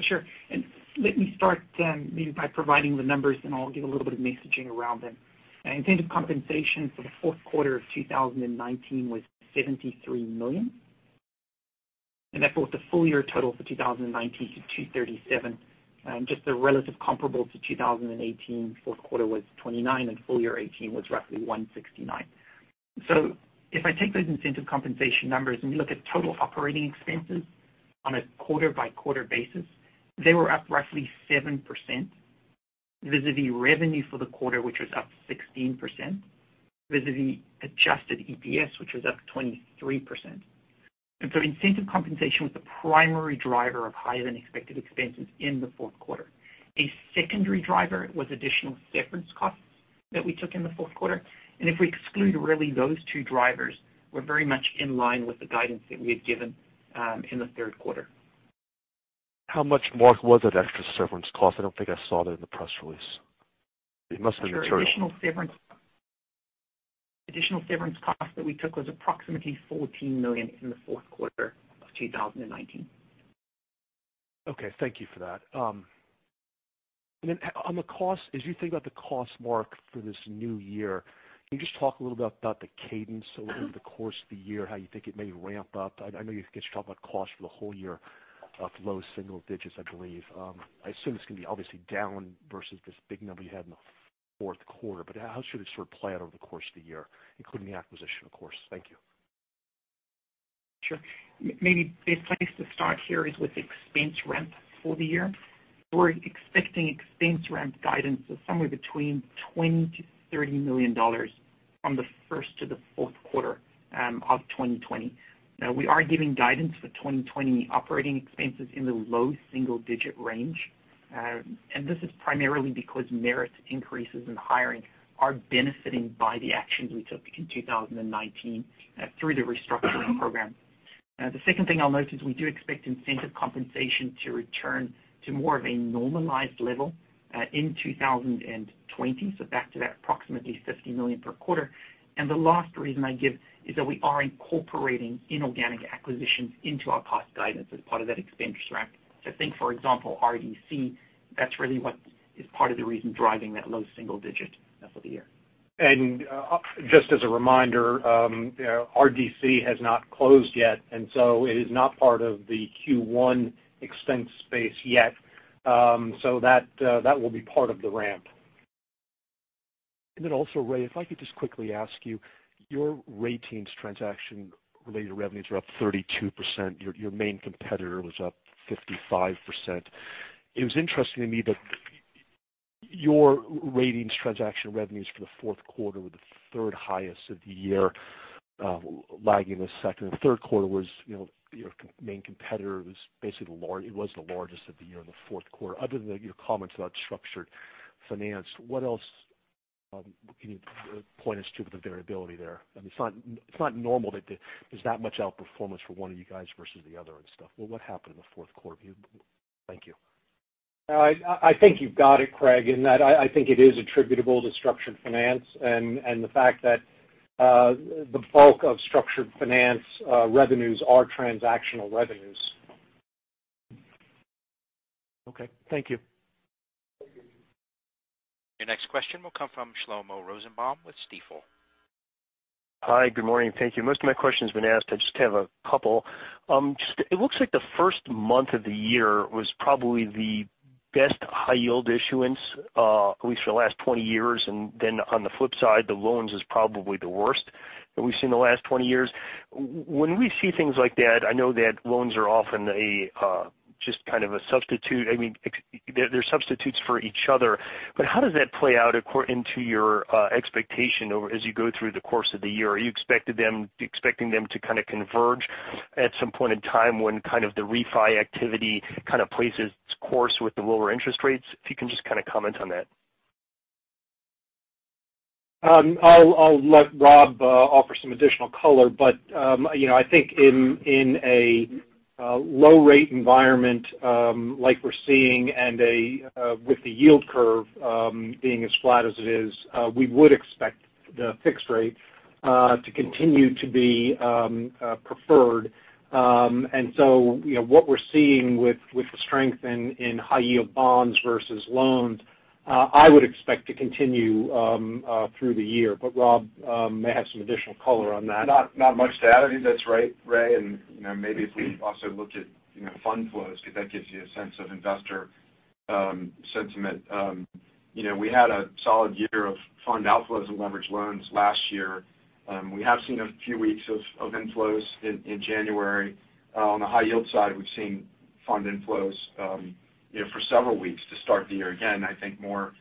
Sure. Let me start maybe by providing the numbers, and I'll give a little bit of messaging around them. Incentive compensation for the fourth quarter of 2019 was $73 million, and that brought the full-year total for 2019 to $237 million. Just a relative comparable to 2018, fourth quarter was $29 million, and full year 2018 was roughly $169 million. If I take those incentive compensation numbers and you look at total operating expenses on a quarter-by-quarter basis, they were up roughly 7% vis-a-vis revenue for the quarter, which was up 16%, vis-a-vis adjusted EPS, which was up 23%. Incentive compensation was the primary driver of higher-than-expected expenses in the fourth quarter. A secondary driver was additional severance costs that we took in the fourth quarter. If we exclude really those two drivers, we're very much in line with the guidance that we had given in the third quarter. How much, Mark, was that extra severance cost? I don't think I saw that in the press release. It must have been material. Sure. Additional severance cost that we took was approximately $14 million in the fourth quarter of 2019. Okay. Thank you for that. As you think about the cost, Mark, for this new year, can you just talk a little bit about the cadence over the course of the year, how you think it may ramp up? I know you guys talk about cost for the whole year of low single digits, I believe. I assume it's going to be obviously down versus this big number you had in the fourth quarter. How should it sort of play out over the course of the year, including the acquisition, of course? Thank you. Sure. Maybe best place to start here is with expense ramp for the year. We're expecting expense ramp guidance of somewhere between $20 million-$30 million from the first to the fourth quarter of 2020. This is primarily because merit increases in hiring are benefiting by the actions we took in 2019 through the restructuring program. The second thing I'll note is we do expect incentive compensation to return to more of a normalized level in 2020, so back to that approximately $50 million per quarter. The last reason I give is that we are incorporating inorganic acquisitions into our cost guidance as part of that expense ramp. So think, for example, RDC. That's really what is part of the reason driving that low single-digit for the year. Just as a reminder, RDC has not closed yet, and so it is not part of the Q1 expense base yet. That will be part of the ramp. Also, Ray, if I could just quickly ask you, your ratings transaction related revenues are up 32%. Your main competitor was up 55%. It was interesting to me that your ratings transaction revenues for the fourth quarter were the third highest of the year. Lagging the second and third quarter was your main competitor basically the largest. It was the largest of the year in the fourth quarter. Other than your comments about structured finance, what else can you point us to with the variability there? I mean, it's not normal that there's that much outperformance for one of you guys versus the other and stuff. What happened in the fourth quarter? Thank you. I think you've got it, Craig, in that I think it is attributable to structured finance and the fact that the bulk of structured finance revenues are transactional revenues. Okay. Thank you. Your next question will come from Shlomo Rosenbaum with Stifel. Hi. Good morning, thank you. Most of my question's been asked. I just have a couple. It looks like the first month of the year was probably the best high yield issuance, at least for the last 20 years. On the flip side, the loans is probably the worst that we've seen in the last 20 years. When we see things like that, I know that loans are often just kind of a substitute. I mean, they're substitutes for each other. How does that play out into your expectation as you go through the course of the year? Are you expecting them to kind of converge at some point in time when kind of the refi activity kind of places course with the lower interest rates? If you can just kind of comment on that. I'll let Rob offer some additional color. I think in a low rate environment like we're seeing and with the yield curve being as flat as it is, we would expect the fixed rate to continue to be preferred. What we're seeing with the strength in high yield bonds versus loans, I would expect to continue through the year. Rob may have some additional color on that. Not much to add. I think that's right, Ray, and maybe if we also look at fund flows because that gives you a sense of investor sentiment. We had a solid year of fund outflows and leverage loans last year. We have seen a few weeks of inflows in January. On the high yield side, we've seen fund inflows for several weeks to start the year. Again, I think more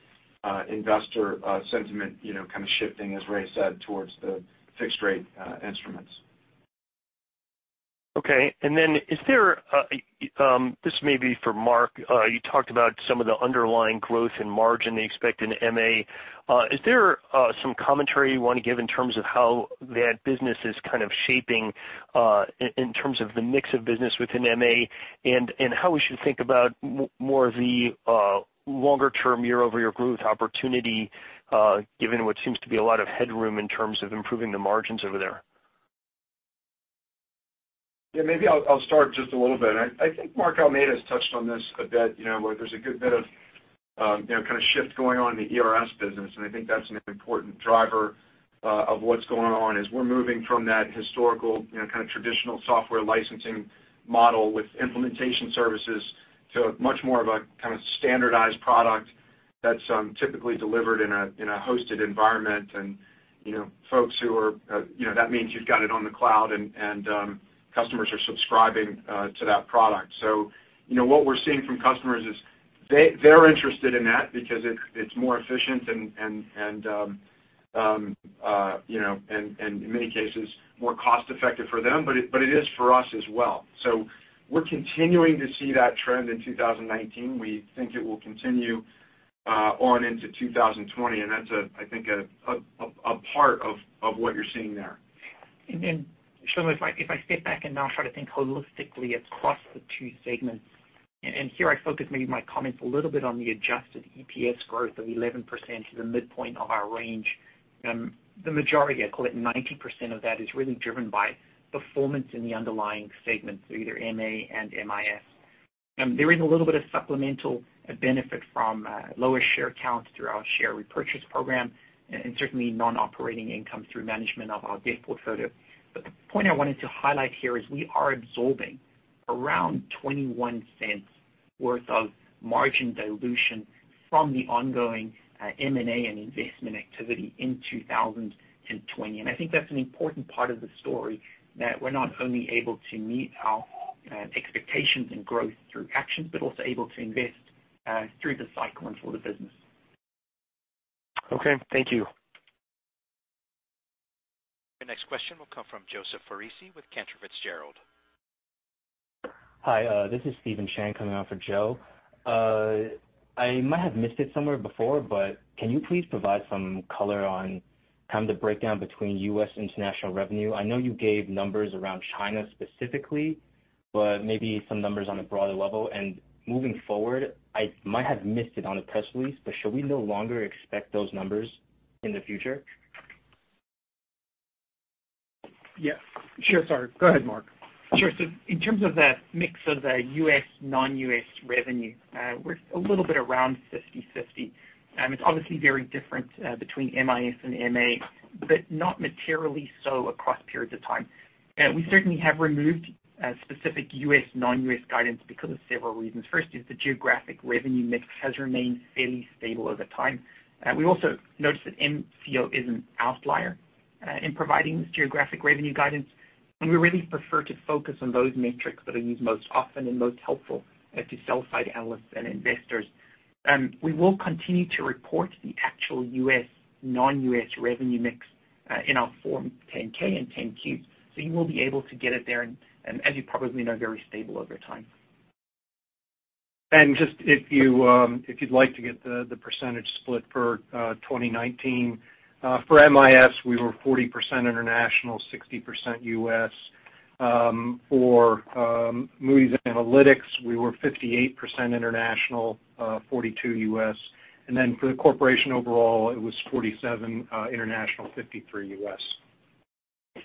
investor sentiment kind of shifting, as Ray said, towards the fixed rate instruments. Okay. This may be for Mark. You talked about some of the underlying growth in margin to expect in MA. Is there some commentary you want to give in terms of how that business is kind of shaping in terms of the mix of business within MA and how we should think about more of the longer-term year-over-year growth opportunity given what seems to be a lot of headroom in terms of improving the margins over there? Yeah, maybe I'll start just a little bit. I think Mark Almeida has touched on this a bit, where there's a good bit of kind of shift going on in the ERS business, and I think that's an important driver of what's going on as we're moving from that historical kind of traditional software licensing model with implementation services to much more of a kind of standardized product that's typically delivered in a hosted environment. That means you've got it on the cloud, and customers are subscribing to that product. What we're seeing from customers is they're interested in that because it's more efficient and in many cases, more cost-effective for them, but it is for us as well. We're continuing to see that trend in 2019. We think it will continue on into 2020, and that's, I think, a part of what you're seeing there. Shlomo, if I step back and now try to think holistically across the two segments, and here I focus maybe my comments a little bit on the adjusted EPS growth of 11% to the midpoint of our range. The majority, I call it 90% of that is really driven by performance in the underlying segments, so either MA and MIS. There is a little bit of supplemental benefit from lower share count through our share repurchase program, and certainly non-operating income through management of our debt portfolio. The point I wanted to highlight here is we are absorbing around $0.21 worth of margin dilution from the ongoing M&A and investment activity in 2020. I think that's an important part of the story, that we're not only able to meet our expectations and growth through actions, but also able to invest through the cycle and for the business. Okay. Thank you. Your next question will come from Joseph Foresi with Cantor Fitzgerald. Hi, this is Steven Chang coming on for Joe. I might have missed it somewhere before, can you please provide some color on kind of the breakdown between U.S. and international revenue? I know you gave numbers around China specifically, maybe some numbers on a broader level. Moving forward, I might have missed it on a press release, should we no longer expect those numbers in the future? Yeah. Sure. Sorry. Go ahead, Mark. Sure. In terms of the mix of the U.S., non-U.S. revenue, we're a little bit around 50/50. It's obviously very different between MIS and MA, but not materially so across periods of time. We certainly have removed specific U.S., non-U.S. guidance because of several reasons. First is the geographic revenue mix has remained fairly stable over time. We also noticed that MCO is an outlier in providing this geographic revenue guidance, and we really prefer to focus on those metrics that are used most often and most helpful to sell side analysts and investors. We will continue to report the actual non-U.S. revenue mix in our Form 10-K and 10-Q, so you will be able to get it there and as you probably know, very stable over time. Just if you'd like to get the percentage split for 2019. For MIS, we were 40% international, 60% U.S. For Moody's Analytics, we were 58% international, 42% U.S. Then for the corporation overall, it was 47% international, 53% U.S.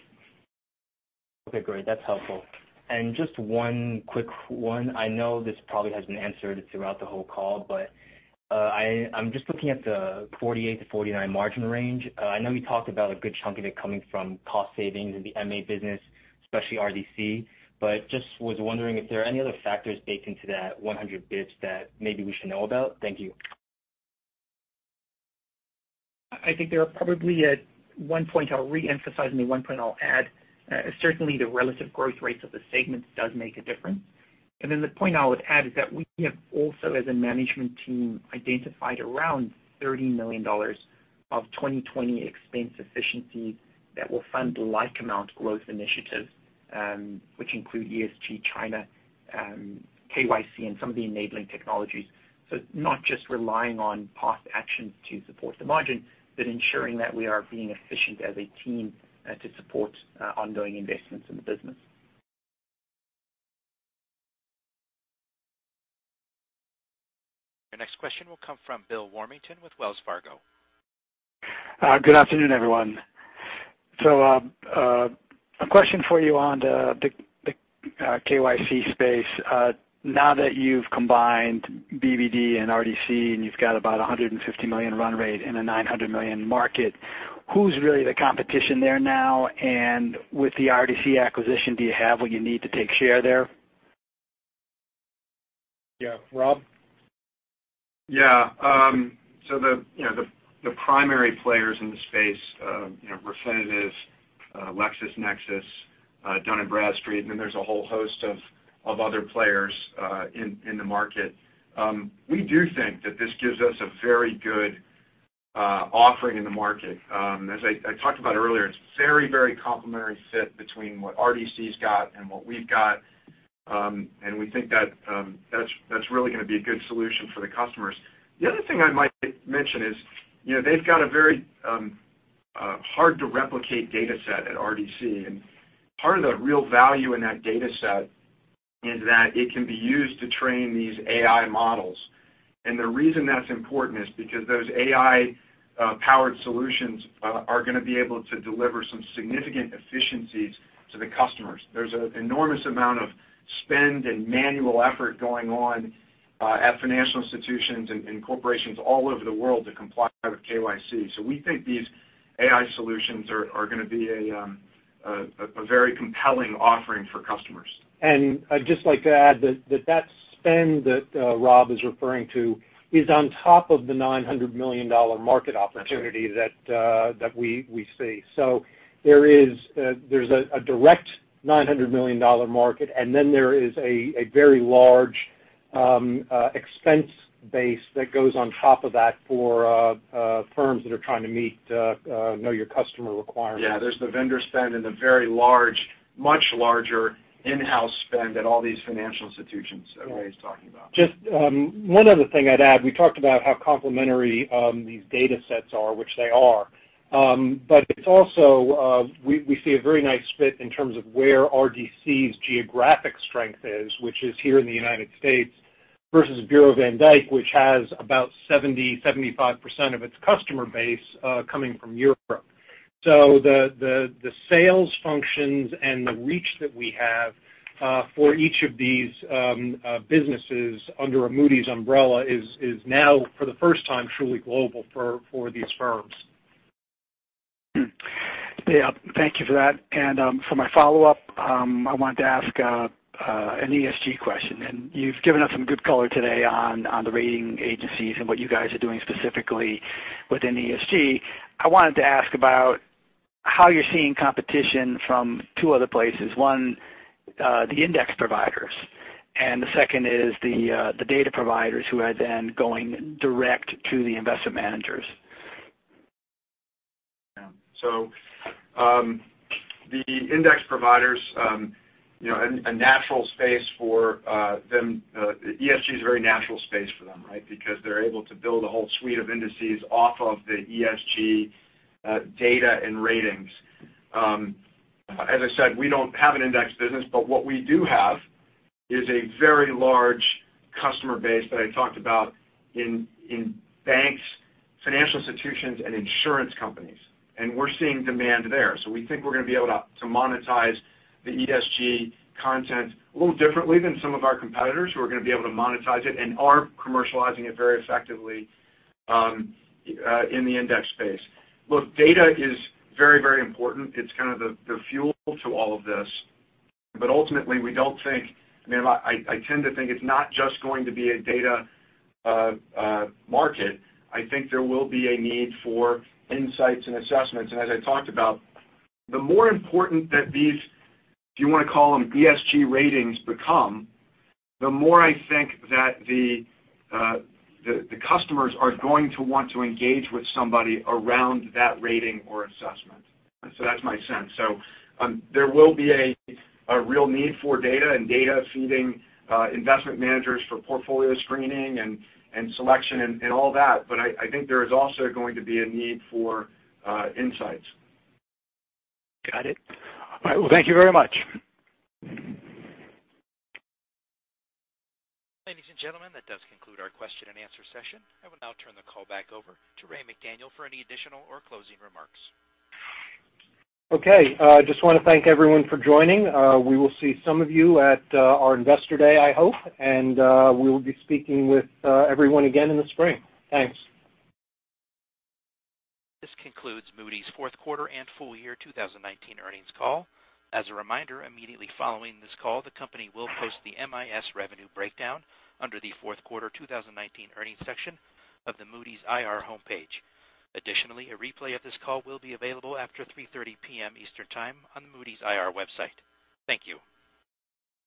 Okay, great. That's helpful. Just one quick one. I know this probably has been answered throughout the whole call, but I'm just looking at the 48%-49% margin range. I know you talked about a good chunk of it coming from cost savings in the MA business, especially RDC, but just was wondering if there are any other factors baked into that 100 basis points that maybe we should know about. Thank you. I think there are probably at one point I'll reemphasize, and the one point I'll add, certainly the relative growth rates of the segments does make a difference. The point I would add is that we have also as a management team, identified around $30 million of 2020 expense efficiencies that will fund like amount growth initiatives, which include ESG, China, KYC, and some of the enabling technologies. Not just relying on past actions to support the margin, but ensuring that we are being efficient as a team to support ongoing investments in the business. Your next question will come from Bill Warmington with Wells Fargo. Good afternoon, everyone. A question for you on the KYC space. Now that you've combined BvD and RDC and you've got about $150 million run rate in a $900 million market, who's really the competition there now? With the RDC acquisition, do you have what you need to take share there? Yeah. Rob? Yeah. The primary players in the space, Refinitiv, LexisNexis, Dun & Bradstreet, and then there's a whole host of other players in the market. We do think that this gives us a very good offering in the market. As I talked about earlier, it's very complementary fit between what RDC's got and what we've got. We think that's really going to be a good solution for the customers. The other thing I might mention is they've got a very hard-to-replicate data set at RDC, and part of the real value in that data set is that it can be used to train these AI models. The reason that's important is because those AI-powered solutions are going to be able to deliver some significant efficiencies to the customers. There's an enormous amount of spend and manual effort going on at financial institutions and corporations all over the world to comply with KYC. We think these AI solutions are going to be a very compelling offering for customers. I'd just like to add that that spend that Rob is referring to is on top of the $900 million market opportunity that we see. There's a direct $900 million market, and then there is a very large expense base that goes on top of that for firms that are trying to meet Know Your Customer requirements. Yeah. There's the vendor spend and the very large, much larger in-house spend at all these financial institutions that Ray's talking about. Just one other thing I'd add. We talked about how complementary these data sets are, which they are. It's also we see a very nice fit in terms of where RDC's geographic strength is, which is here in the United States versus Bureau van Dijk, which has about 70, 75% of its customer base coming from Europe. The sales functions and the reach that we have for each of these businesses under a Moody's umbrella is now, for the first time, truly global for these firms. Yeah. Thank you for that. For my follow-up, I wanted to ask an ESG question. You've given us some good color today on the rating agencies and what you guys are doing specifically within ESG. I wanted to ask about how you're seeing competition from two other places. One, the index providers, and the second is the data providers who are then going direct to the investment managers. The index providers, ESG is a very natural space for them, right? Because they're able to build a whole suite of indices off of the ESG data and ratings. As I said, we don't have an index business, but what we do have is a very large customer base that I talked about in banks, financial institutions, and insurance companies. We're seeing demand there. We think we're going to be able to monetize the ESG content a little differently than some of our competitors who are going to be able to monetize it and are commercializing it very effectively in the index space. Look, data is very important. It's kind of the fuel to all of this. Ultimately, I tend to think it's not just going to be a data market. I think there will be a need for insights and assessments. As I talked about, the more important that these, if you want to call them ESG ratings become, the more I think that the customers are going to want to engage with somebody around that rating or assessment. That's my sense. There will be a real need for data and data feeding investment managers for portfolio screening and selection and all that. I think there is also going to be a need for insights. Got it. All right. Well, thank you very much. Ladies and gentlemen, that does conclude our question and answer session. I will now turn the call back over to Raymond McDaniel for any additional or closing remarks. Okay. Just want to thank everyone for joining. We will see some of you at our Investor Day, I hope, and we will be speaking with everyone again in the spring. Thanks. This concludes Moody's fourth quarter and full year 2019 earnings call. As a reminder, immediately following this call, the company will post the MIS revenue breakdown under the fourth quarter 2019 earnings section of the Moody's IR homepage. A replay of this call will be available after 3:30 P.M. Eastern Time on the Moody's IR website. Thank you.